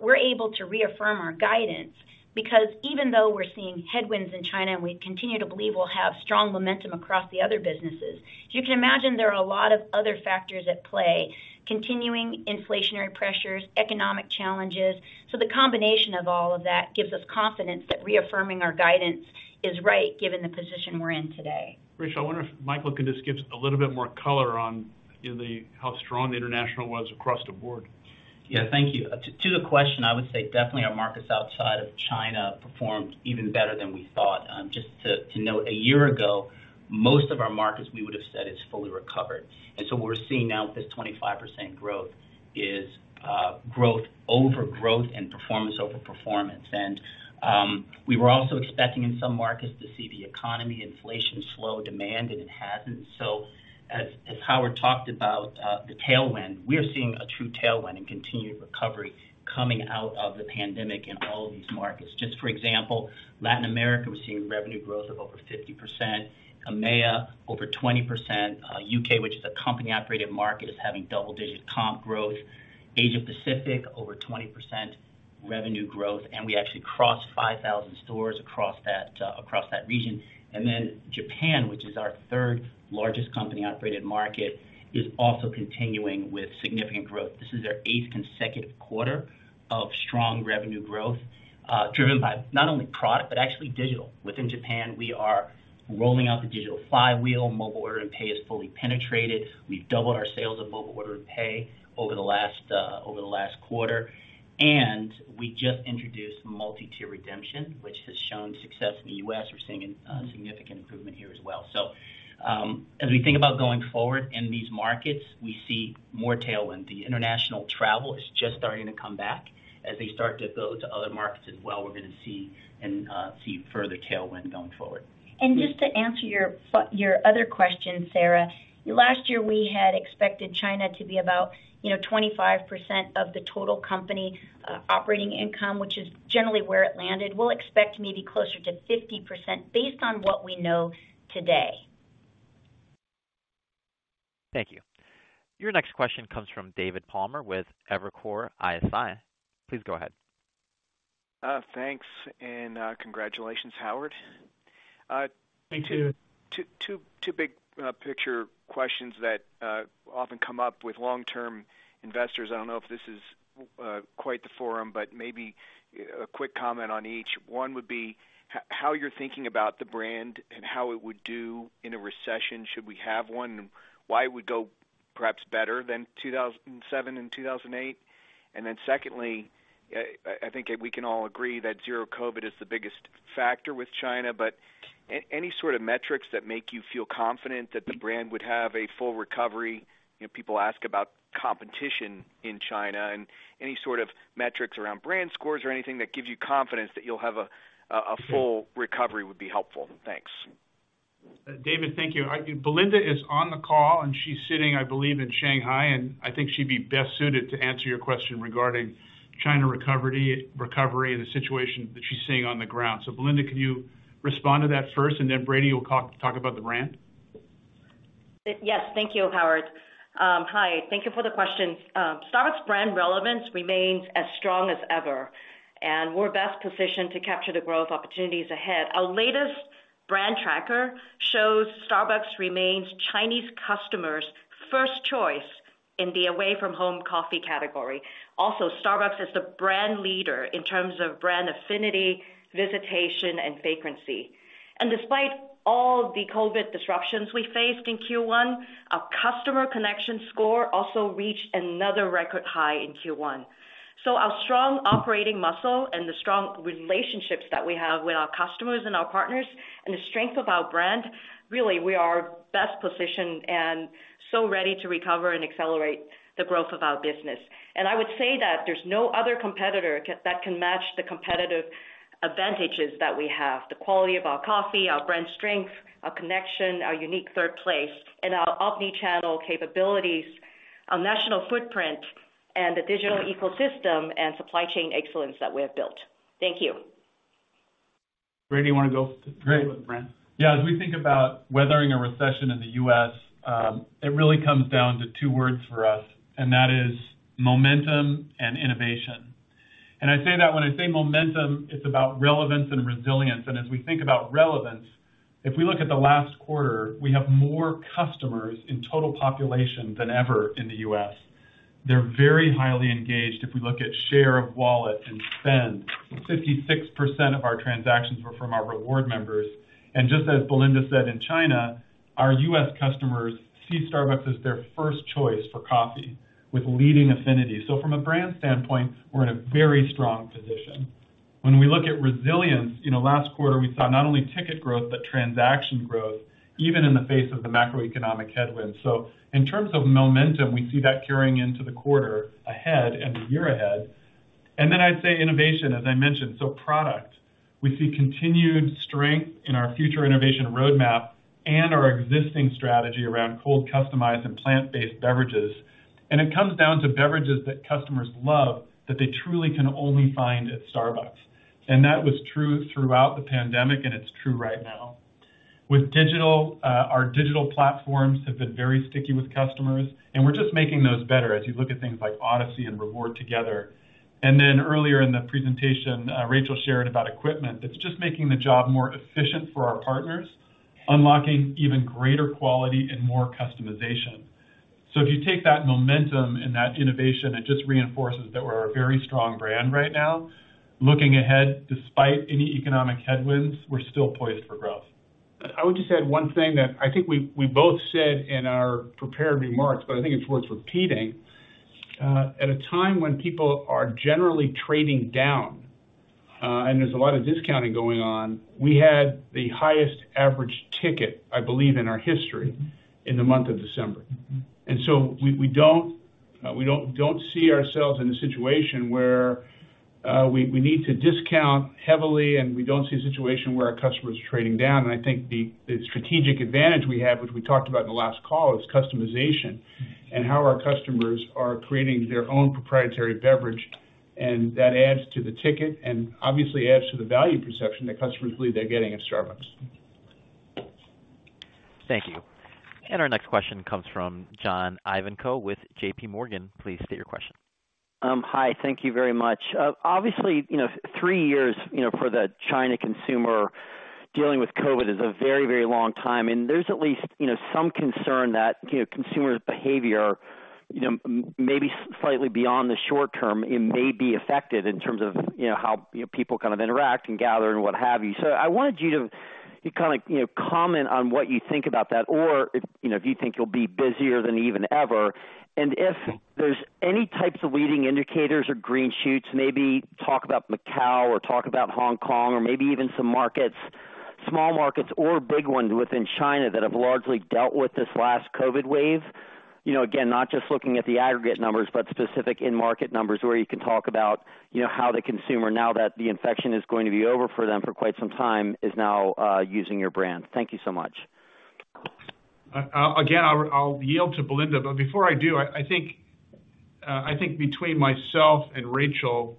we're able to reaffirm our guidance because even though we're seeing headwinds in China, and we continue to believe we'll have strong momentum across the other businesses. As you can imagine, there are a lot of other factors at play, continuing inflationary pressures, economic challenges. The combination of all of that gives us confidence that reaffirming our guidance is right given the position we're in today. Rachel, I wonder if Michael can just give us a little bit more color on, you know, how strong the international was across the board? Yeah. Thank you. To the question, I would say definitely our markets outside of China performed even better than we thought. Just to note, a year ago, most of our markets we would have said it's fully recovered. What we're seeing now with this 25% growth is growth over growth and performance over performance. We were also expecting in some markets to see the economy inflation slow demand, and it hasn't. As Howard talked about, the tailwind, we're seeing a true tailwind and continued recovery coming out of the pandemic in all of these markets. For example, Latin America, we're seeing revenue growth of over 50%. EMEA over 20%. U.K., which is a company-operated market, is having double-digit comp growth. Asia-Pacific over 20% revenue growth, we actually crossed 5,000 stores across that region. Japan, which is our thirrd largest company-operated market, is also continuing with significant growth. This is our eighth consecutive quarter of strong revenue growth, driven by not only product, but actually digital. Within Japan, we are rolling out the digital flywheel. Mobile Order & Pay is fully penetrated. We've doubled our sales of Mobile Order & Pay over the last quarter. We just introduced multi-tier redemption, which has shown success in the U.S. We're seeing a significant improvement here as well. As we think about going forward in these markets, we see more tailwind. The international travel is just starting to come back. As they start to go to other markets as well, we're gonna see and see further tailwind going forward. And just to answer your your other question, Sara. Last year, we had expected China to be about, you know, 25% of the total company, operating income, which is generally where it landed. We'll expect maybe closer to 50% based on what we know today. Thank you. Your next question comes from David Palmer with Evercore ISI. Please go ahead. Thanks, and, congratulations, Howard. Thank you. Two big picture questions that often come up with long-term investors. I don't know if this is quite the forum, but maybe a quick comment on each. One would be how you're thinking about the brand and how it would do in a recession should we have one? Why it would go perhaps better than 2007 and 2008. Secondly, I think we can all agree that zero COVID is the biggest factor with China. Any sort of metrics that make you feel confident that the brand would have a full recovery. You know, people ask about competition in China and any sort of metrics around brand scores or anything that gives you confidence that you'll have a full recovery would be helpful. Thanks. David, thank you. Belinda is on the call, and she's sitting, I believe, in Shanghai, and I think she'd be best suited to answer your question regarding China recovery and the situation that she's seeing on the ground. Belinda, can you respond to that first, and then Brady will talk about the brand. Yes. Thank you, Howard. Hi. Thank you for the question. Starbucks brand relevance remains as strong as ever, and we're best positioned to capture the growth opportunities ahead. Our latest brand tracker shows Starbucks remains Chinese customers' first choice in the away from home coffee category. Starbucks is the brand leader in terms of brand affinity, visitation, and frequency. Despite all the COVID disruptions we faced in Q1, our customer connection score also reached another record high in Q1. Our strong operating muscle and the strong relationships that we have with our customers and our partners, and the strength of our brand, really, we are best positioned and so ready to recover and accelerate the growth of our business. I would say that there's no other competitor that can match the competitive advantages that we have, the quality of our coffee, our brand strength, our connection, our unique third place, and our omni-channel capabilities, our national footprint and the digital ecosystem and supply chain excellence that we have built. Thank you. Brady, you wanna go brand? As we think about weathering a recession in the U.S., it really comes down to two words for us, and that is momentum and innovation. I say that when I say momentum, it's about relevance and resilience. As we think about relevance, if we look at the last quarter, we have more customers in total population than ever in the U.S. They're very highly engaged. If we look at share of wallet and spend, 56% of our transactions were from our reward members. Just as Belinda said, in China, our U.S. customers see Starbucks as their first choice for coffee with leading affinity. From a brand standpoint, we're in a very strong position. When we look at resilience, you know, last quarter, we saw not only ticket growth, but transaction growth, even in the face of the macroeconomic headwinds. In terms of momentum, we see that carrying into the quarter ahead and the year ahead. I'd say innovation, as I mentioned, so product. We see continued strength in our future innovation roadmap and our existing strategy around cold, customized, and plant-based beverages. It comes down to beverages that customers love that they truly can only find at Starbucks. That was true throughout the pandemic, and it's true right now. With digital, our digital platforms have been very sticky with customers, and we're just making those better as you look at things like Odyssey and Reward together. Earlier in the presentation, Rachel shared about equipment that's just making the job more efficient for our partners, unlocking even greater quality and more customization. If you take that momentum and that innovation, it just reinforces that we're a very strong brand right now. Looking ahead, despite any economic headwinds, we're still poised for growth. I would just add one thing that I think we both said in our prepared remarks, but I think it's worth repeating. At a time when people are generally trading down, and there's a lot of discounting going on, we had the highest average ticket, I believe, in our history in the month of December. We don't see ourselves in a situation where we need to discount heavily, and we don't see a situation where our customers are trading down. I think the strategic advantage we have, which we talked about in the last call is customization and how our customers are creating their own proprietary beverage. That adds to the ticket and obviously adds to the value perception that customers believe they're getting at Starbucks. Thank you. Our next question comes from John Ivankoe with JPMorgan. Please state your question. Hi, thank you very much. Obviously, you know, three years, you know, for the China consumer dealing with COVID is a very, very long time, and there's at least, you know, some concern that, you know, consumers' behavior, you know, maybe slightly beyond the short term, it may be affected in terms of, you know, how, you know, people kind of interact and gather and what have you. I wanted you to kind of, you know, comment on what you think about that or if, you know, if you think you'll be busier than even ever, and if there's any types of leading indicators or green shoots, maybe talk about Macau or talk about Hong Kong or maybe even some markets, small markets or big ones within China that have largely dealt with this last COVID wave? You know, again, not just looking at the aggregate numbers, but specific in-market numbers where you can talk about, you know, how the consumer, now that the infection is going to be over for them for quite some time, is now using your brand. Thank you so much. Again, I'll yield to Belinda. Before I do, I think between myself and Rachel,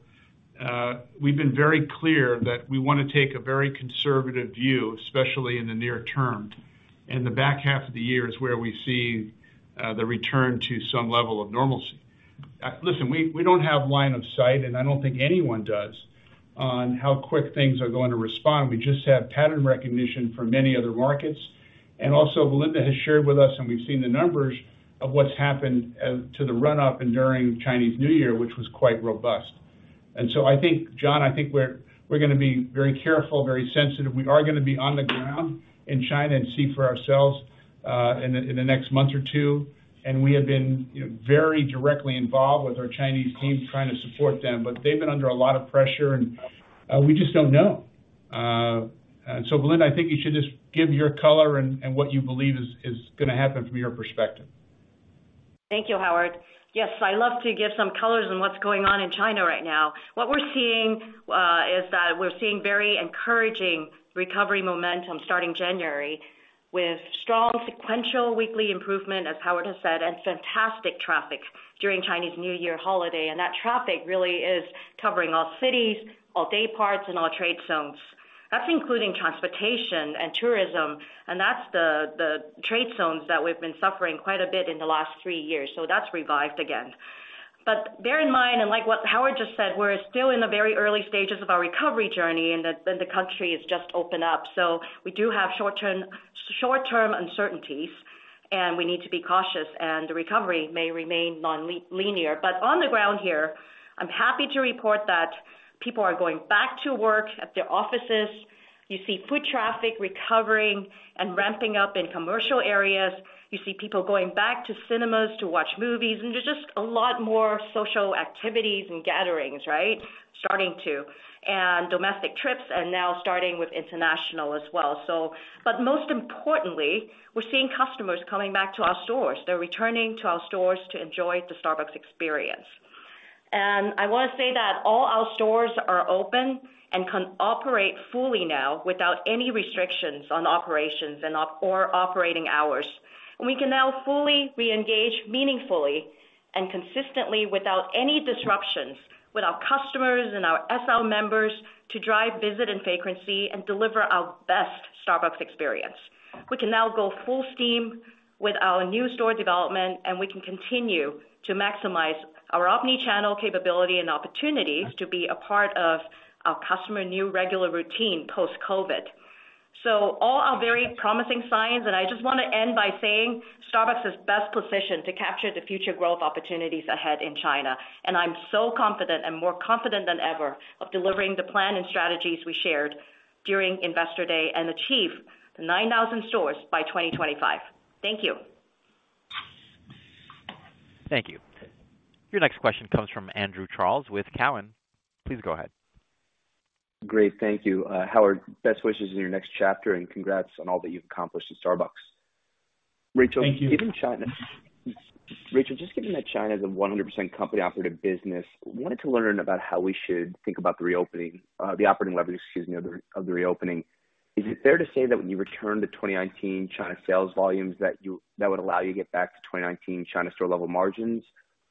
we've been very clear that we wanna take a very conservative view, especially in the near term, and the back half of the year is where we see the return to some level of normalcy. Listen, we don't have line of sight, and I don't think anyone does on how quick things are going to respond. We just have pattern recognition from many other markets. Also, Belinda has shared with us, and we've seen the numbers of what's happened to the run-up and during Chinese New Year, which was quite robust. I think, John, I think we're gonna be very careful, very sensitive. We are gonna be on the ground in China and see for ourselves, in the, in the next month or two, and we have been, you know, very directly involved with our Chinese team trying to support them. They've been under a lot of pressure, and we just don't know. Belinda, I think you should just give your color and what you believe is gonna happen from your perspective. Thank you, Howard. Yes, I love to give some colors on what's going on in China right now. What we're seeing is that we're seeing very encouraging recovery momentum starting January with strong sequential weekly improvement, as Howard has said, and fantastic traffic during Chinese New Year holiday. That traffic really is covering all cities, all day parts and all trade zones. That's including transportation and tourism, and that's the trade zones that we've been suffering quite a bit in the last three years. That's revived again. Bear in mind, and like what Howard just said, we're still in the very early stages of our recovery journey, and the country has just opened up. We do have short-term uncertainties, and we need to be cautious, and the recovery may remain non-linear. On the ground here, I'm happy to report that people are going back to work at their offices. You see foot traffic recovering and ramping up in commercial areas. You see people going back to cinemas to watch movies, and there's just a lot more social activities and gatherings, right? Starting to. Domestic trips are now starting with international as well. Most importantly, we're seeing customers coming back to our stores. They're returning to our stores to enjoy the Starbucks Experience. I wanna say that all our stores are open and can operate fully now without any restrictions on operations and or operating hours. We can now fully reengage meaningfully and consistently, without any disruptions with our customers and our SR members to drive, visit in frequency and deliver our best Starbucks experience. We can now go full steam with our new store development, and we can continue to maximize our omni-channel capability and opportunities to be a part of our customer new regular routine post-COVID. All are very promising signs, and I just wanna end by saying Starbucks is best positioned to capture the future growth opportunities ahead in China. I'm so confident and more confident than ever of delivering the plan and strategies we shared during Investor Day and achieve the 9,000 stores by 2025. Thank you. Thank you. Your next question comes from Andrew Charles with Cowen. Please go ahead. Great. Thank you. Howard, best wishes in your next chapter, and congrats on all that you've accomplished at Starbucks. Thank you. Rachel, given China just given that China is a 100% company-operated business, wanted to learn about how we should think about the reopening, the operating leverage, excuse me, of the reopening. Is it fair to say that when you return to 2019 China sales volumes that would allow you to get back to 2019 China store level margins?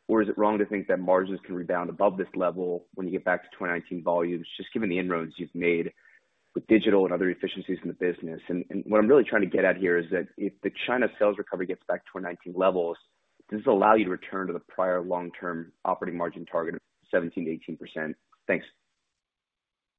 Or is it wrong to think that margins can rebound above this level when you get back to 2019 volumes, just given the inroads you've made with digital and other efficiencies in the business? What I'm really trying to get at here is that if the China sales recovery gets back to 2019 levels, does this allow you to return to the prior long-term operating margin target of 17%-18%? Thanks.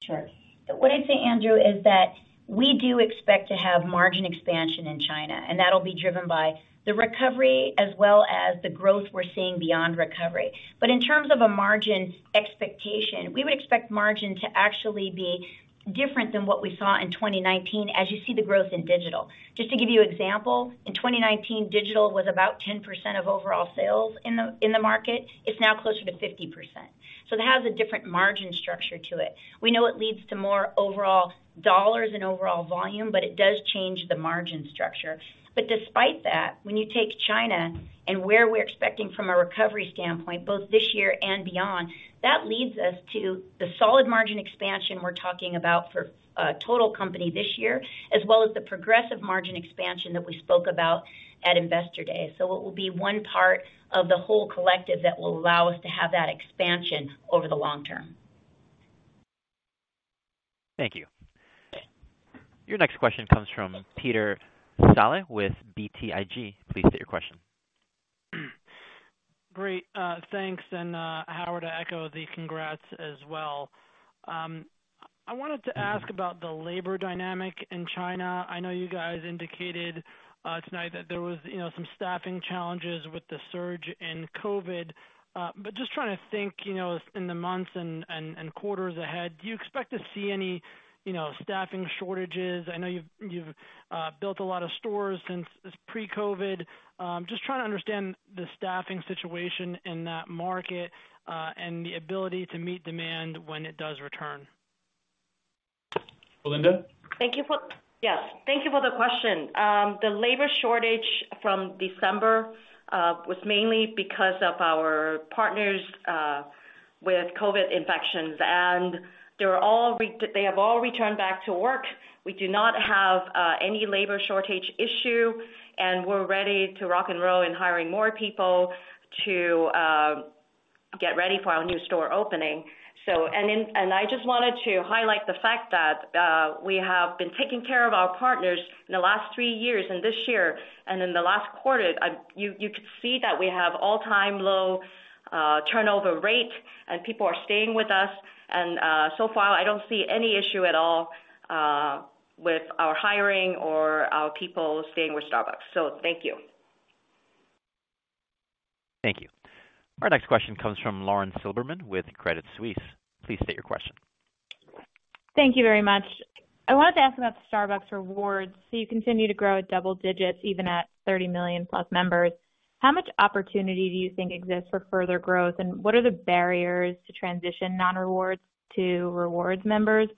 Sure. What I'd say, Andrew, is that we do expect to have margin expansion in China, and that'll be driven by the recovery as well as the growth we're seeing beyond recovery. In terms of a margin expectation, we would expect margin to actually be different than what we saw in 2019, as you see the growth in digital. Just to give you an example, in 2019, digital was about 10% of overall sales in the market. It's now closer to 50%. It has a different margin structure to it. We know it leads to more overall dollars and overall volume, but it does change the margin structure. Despite that, when you take China and where we're expecting from a recovery standpoint, both this year and beyond, that leads us to the solid margin expansion we're talking about for total company this year, as well as the progressive margin expansion that we spoke about at Investor Day. It will be one part of the whole collective that will allow us to have that expansion over the long term. Thank you. Your next question comes from Peter Saleh with BTIG. Please state your question. Great, thanks. Howard, I echo the congrats as well. I wanted to ask about the labor dynamic in China. I know you guys indicated tonight that there was, you know, some staffing challenges with the surge in COVID. Just trying to think, you know, in the months and quarters ahead, do you expect to see any, you know, staffing shortages? I know you've built a lot of stores since pre-COVID. Just trying to understand the staffing situation in that market and the ability to meet demand when it does return. Belinda? Yes. Thank you for the question. The labor shortage from December was mainly because of our partners with COVID infections, and they have all returned back to work. We do not have any labor shortage issue, and we're ready to rock and roll in hiring more people to get ready for our new store opening. I just wanted to highlight the fact that we have been taking care of our partners in the last three years and this year. In the last quarter, you could see that we have all-time low turnover rate and people are staying with us. So far, I don't see any issue at all with our hiring or our people staying with Starbucks. Thank you. Thank you. Our next question comes from Lauren Silberman with Credit Suisse. Please state your question. Thank you very much. I wanted to ask about the Starbucks Rewards. You continue to grow at double digits even at 30+ million members. How much opportunity do you think exists for further growth, and what are the barriers to transition non-Rewards to Rewards members?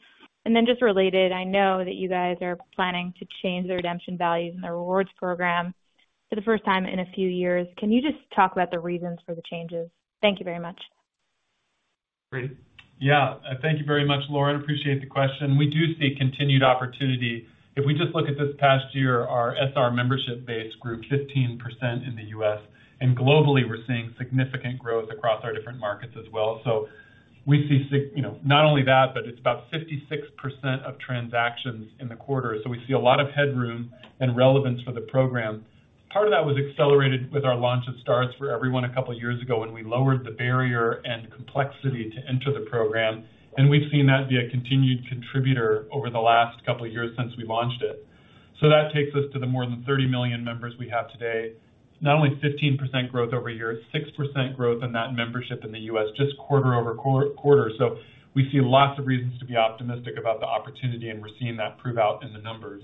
Just related, I know that you guys are planning to change the redemption values in the Rewards program for the first time in a few years. Can you just talk about the reasons for the changes? Thank you very much. Great. Yeah. Thank you very much, Lauren. Appreciate the question. We do see continued opportunity. If we just look at this past year, our SR membership-based group, 15% in the U.S., and globally, we're seeing significant growth across our different markets as well. We see, you know, not only that, but it's about 56% of transactions in the quarter. We see a lot of headroom and relevance for the program. Part of that was accelerated with our launch of Stars for Everyone a couple years ago, when we lowered the barrier and complexity to enter the program, and we've seen that be a continued contributor over the last couple of years since we launched it. That takes us to the more than 30 million members we have today. Not only 15% growth year-over-year, 6% growth in that membership in the U.S. just quarter-over-quarter. We see lots of reasons to be optimistic about the opportunity, and we're seeing that prove out in the numbers.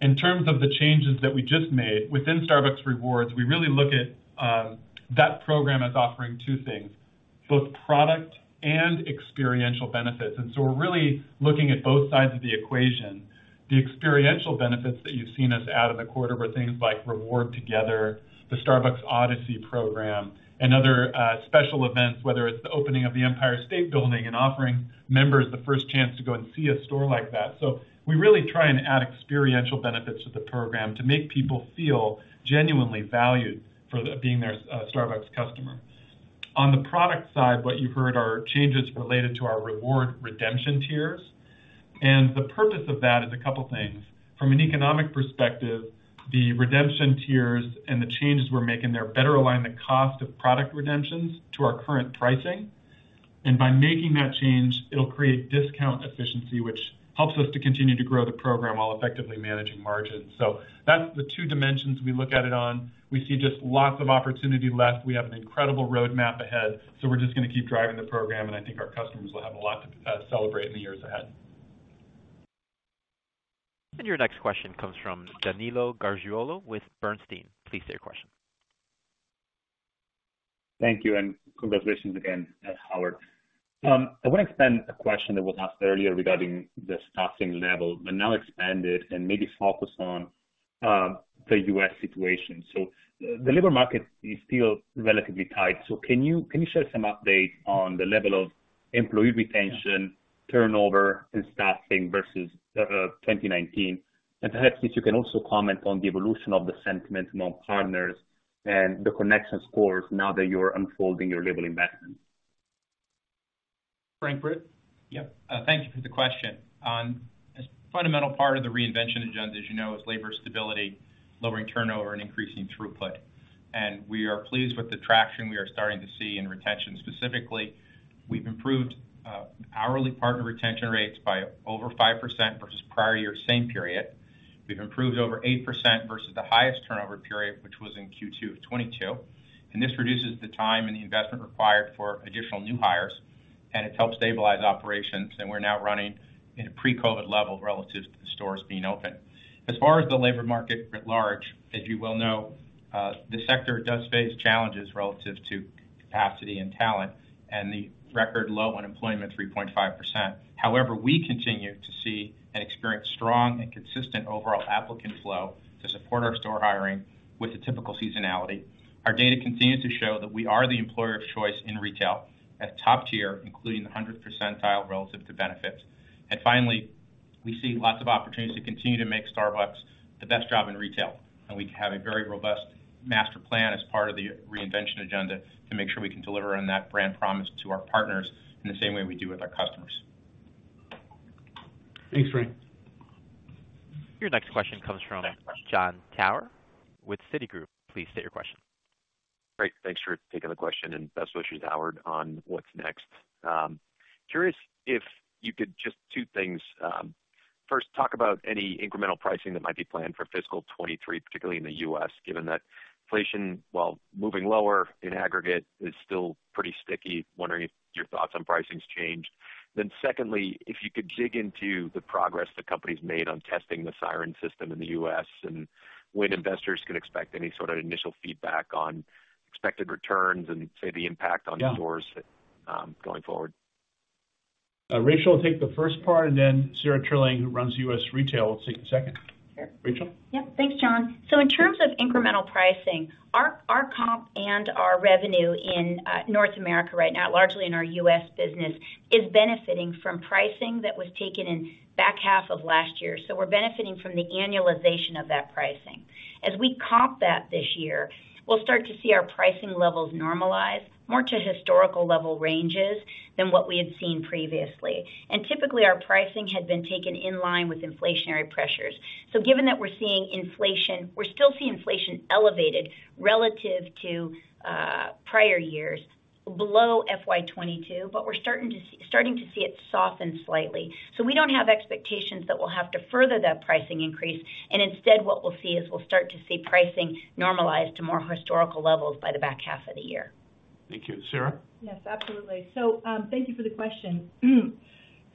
In terms of the changes that we just made, within Starbucks Rewards, we really look at that program as offering two things, both product and experiential benefits. We're really looking at both sides of the equation. The experiential benefits that you've seen us add in the quarter were things like Reward Together, the Starbucks Odyssey program, and other special events, whether it's the opening of the Empire State Building and offering members the first chance to go and see a store like that. We really try and add experiential benefits to the program to make people feel genuinely valued for being their Starbucks customer. On the product side, what you heard are changes related to our reward redemption tiers. The purpose of that is a couple things. From an economic perspective, the redemption tiers and the changes we're making there better align the cost of product redemptions to our current pricing. By making that change, it'll create discount efficiency, which helps us to continue to grow the program while effectively managing margins. That's the two dimensions we look at it on. We see just lots of opportunity left. We have an incredible roadmap ahead, so we're just going to keep driving the program, and I think our customers will have a lot to celebrate in the years ahead. Your next question comes from Danilo Gargiulo with Bernstein. Please state your question. Thank you. Congratulations again, Howard. I want to expand a question that was asked earlier regarding the staffing level, but now expand it and maybe focus on the U.S. situation. The labor market is still relatively tight. Can you share some update on the level of employee retention, turnover, and staffing versus 2019? Perhaps if you can also comment on the evolution of the sentiment among partners and the connection scores now that you're unfolding your labor investment. Frank Britt? Yep. Thank you for the question. A fundamental part of the reinvention agenda, as you know, is labor stability, lowering turnover and increasing throughput. We are pleased with the traction we are starting to see in retention specifically. We've improved hourly partner retention rates by over 5% versus prior year same period. We've improved over 8% versus the highest turnover period, which was in Q2 of 2022. This reduces the time and the investment required for additional new hires, and it's helped stabilize operations. We're now running in a pre-COVID level relative to the stores being open. As far as the labor market writ large, as you well know, the sector does face challenges relative to capacity and talent and the record low unemployment, 3.5%. We continue to see and experience strong and consistent overall applicant flow to support our store hiring with the typical seasonality. Our data continues to show that we are the employer of choice in retail at top tier, including the 100 percentile relative to benefits. Finally, we see lots of opportunities to continue to make Starbucks the best job in retail. We have a very robust master plan as part of the reinvention agenda to make sure we can deliver on that brand promise to our partners in the same way we do with our customers. Thanks, Frank. Your next question comes from Jon Tower with Citigroup. Please state your question. Great. Thanks for taking the question. Best wishes, Howard, on what's next. curious if you could just two things. first, talk about any incremental pricing that might be planned for fiscal 2023, particularly in the U.S., given that inflation, while moving lower in aggregate, is still pretty sticky. Wondering if your thoughts on pricing's changed. Secondly, if you could dig into the progress the company's made on testing the Siren System in the U.S. and when investors could expect any sort of initial feedback on expected returns and say the impact— Yeah. —stores, going forward. Rachel will take the first part, and then Sara Trilling, who runs U.S. Retail, will take the second. Sure. Rachel? Yep. Thanks, Jon. In terms of incremental pricing, our comp and our revenue in North America right now, largely in our U.S. business, is benefiting from pricing that was taken in back half of last year. We're benefiting from the annualization of that pricing. As we comp that this year, we'll start to see our pricing levels normalize more to historical level ranges than what we had seen previously. Typically, our pricing had been taken in line with inflationary pressures. Given that we're seeing inflation, we still see inflation elevated relative to prior years below FY 2022, but we're starting to see it soften slightly. We don't have expectations that we'll have to further that pricing increase, and instead what we'll see is we'll start to see pricing normalize to more historical levels by the back half of the year. Thank you. Sara? Yes, absolutely. Thank you for the question.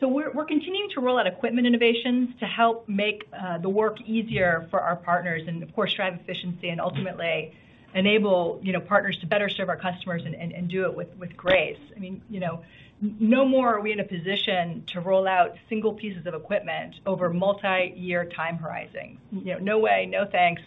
We're continuing to roll out equipment innovations to help make the work easier for our partners and of course, drive efficiency and ultimately enable, you know, partners to better serve our customers and do it with grace. I mean, you know, no more are we in a position to roll out single pieces of equipment over multi-year time horizons. You know, no way. No, thanks.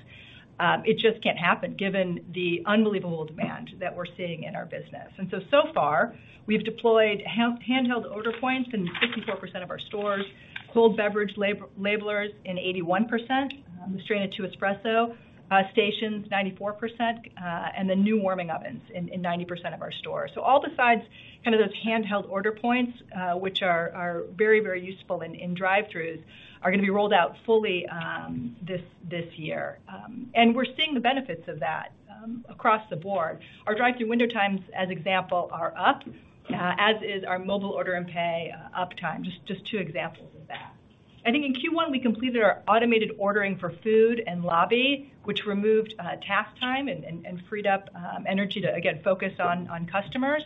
It just can't happen given the unbelievable demand that we're seeing in our business. So far we've deployed handheld order points in 54% of our stores, cold beverage labelers in 81%, the Mastrena II espresso stations, 94%, and the new warming ovens in 90% of our stores. All besides kind of those handheld order points, which are very useful in drive-throughs, are gonna be rolled out fully this year. We're seeing the benefits of that across the board. Our drive-thru window times, as example, are up, as is our Mobile Order & Pay uptime. Just two examples of that. I think in Q1, we completed our automated ordering for food and lobby, which removed task time and freed up energy to again focus on customers.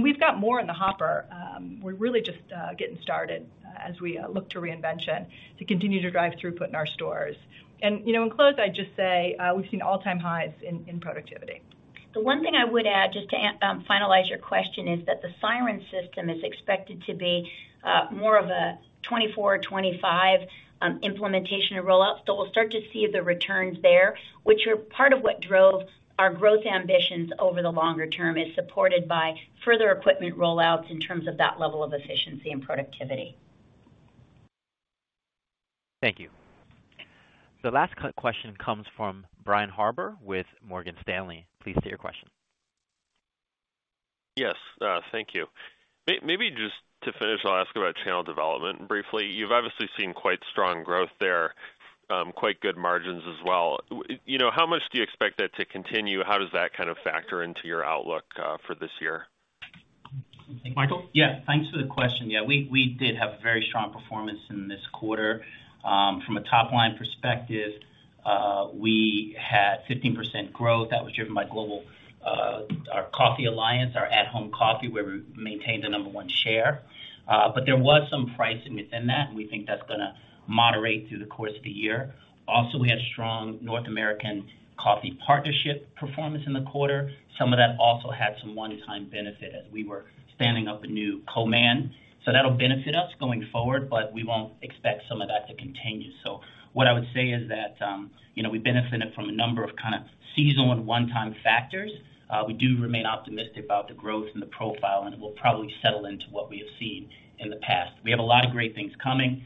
We've got more in the hopper. We're really just getting started as we look to reinvention to continue to drive throughput in our stores. You know, in close, I'd just say, we've seen all-time highs in productivity. The one thing I would add, just to finalize your question, is that the Siren System is expected to be more of a 2024 or 2025 implementation of roll-out. We'll start to see the returns there, which are part of what drove our growth ambitions over the longer term, is supported by further equipment rollouts in terms of that level of efficiency and productivity. Thank you. The last question comes from Brian Harbour with Morgan Stanley. Please state your question. Yes, thank you. Maybe just to finish, I'll ask about channel development briefly. You've obviously seen quite strong growth there, quite good margins as well. You know, how much do you expect that to continue? How does that kind of factor into your outlook for this year? Michael? Thanks for the question. We did have very strong performance in this quarter. From a top-line perspective, we had 15% growth that was driven by global, our Global Coffee Alliance, our at-home coffee, where we maintained the number one share. There was some price in that, and we think that's gonna moderate through the course of the year. Also, we had strong North American Coffee Partnership performance in the quarter. Some of that also had some one-time benefit as we were standing up a new command. That'll benefit us going forward, but we won't expect some of that to continue. What I would say is that, you know, we benefited from a number of kind of seasonal and one-time factors. We do remain optimistic about the growth and the profile, and it will probably settle into what we have seen in the past. We have a lot of great things coming.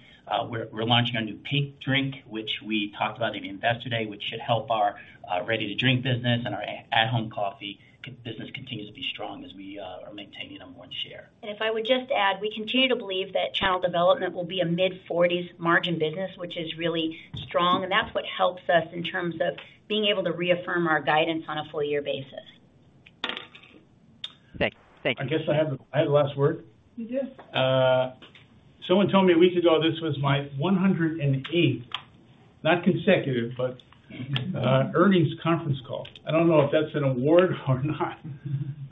We're launching our new Pink Drink, which we talked about in Investor Day, which should help our ready to drink business and our at-home coffee business continue to be strong as we are maintaining number one share. If I would just add, we continue to believe that channel development will be a mid-40s margin business, which is really strong, and that's what helps us in terms of being able to reaffirm our guidance on a full year basis. Thank you. I guess I have the last word. You do. Someone told me a week ago this was my 108th, not consecutive, earnings conference call. I don't know if that's an award or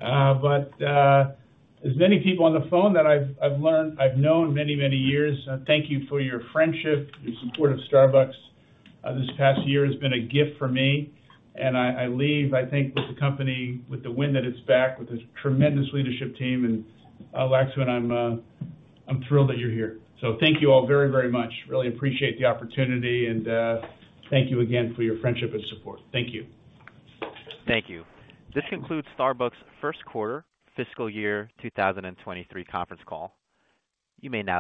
not. As many people on the phone that I've learned, I've known many, many years, thank you for your friendship, your support of Starbucks. This past year has been a gift for me, and I leave, I think with the company, with the wind at its back, with this tremendous leadership team, and Laxman, I'm thrilled that you're here. Thank you all very, very much. Really appreciate the opportunity and thank you again for your friendship and support. Thank you. Thank you. This concludes Starbucks' first quarter fiscal year 2023 conference call. You may now disconnect.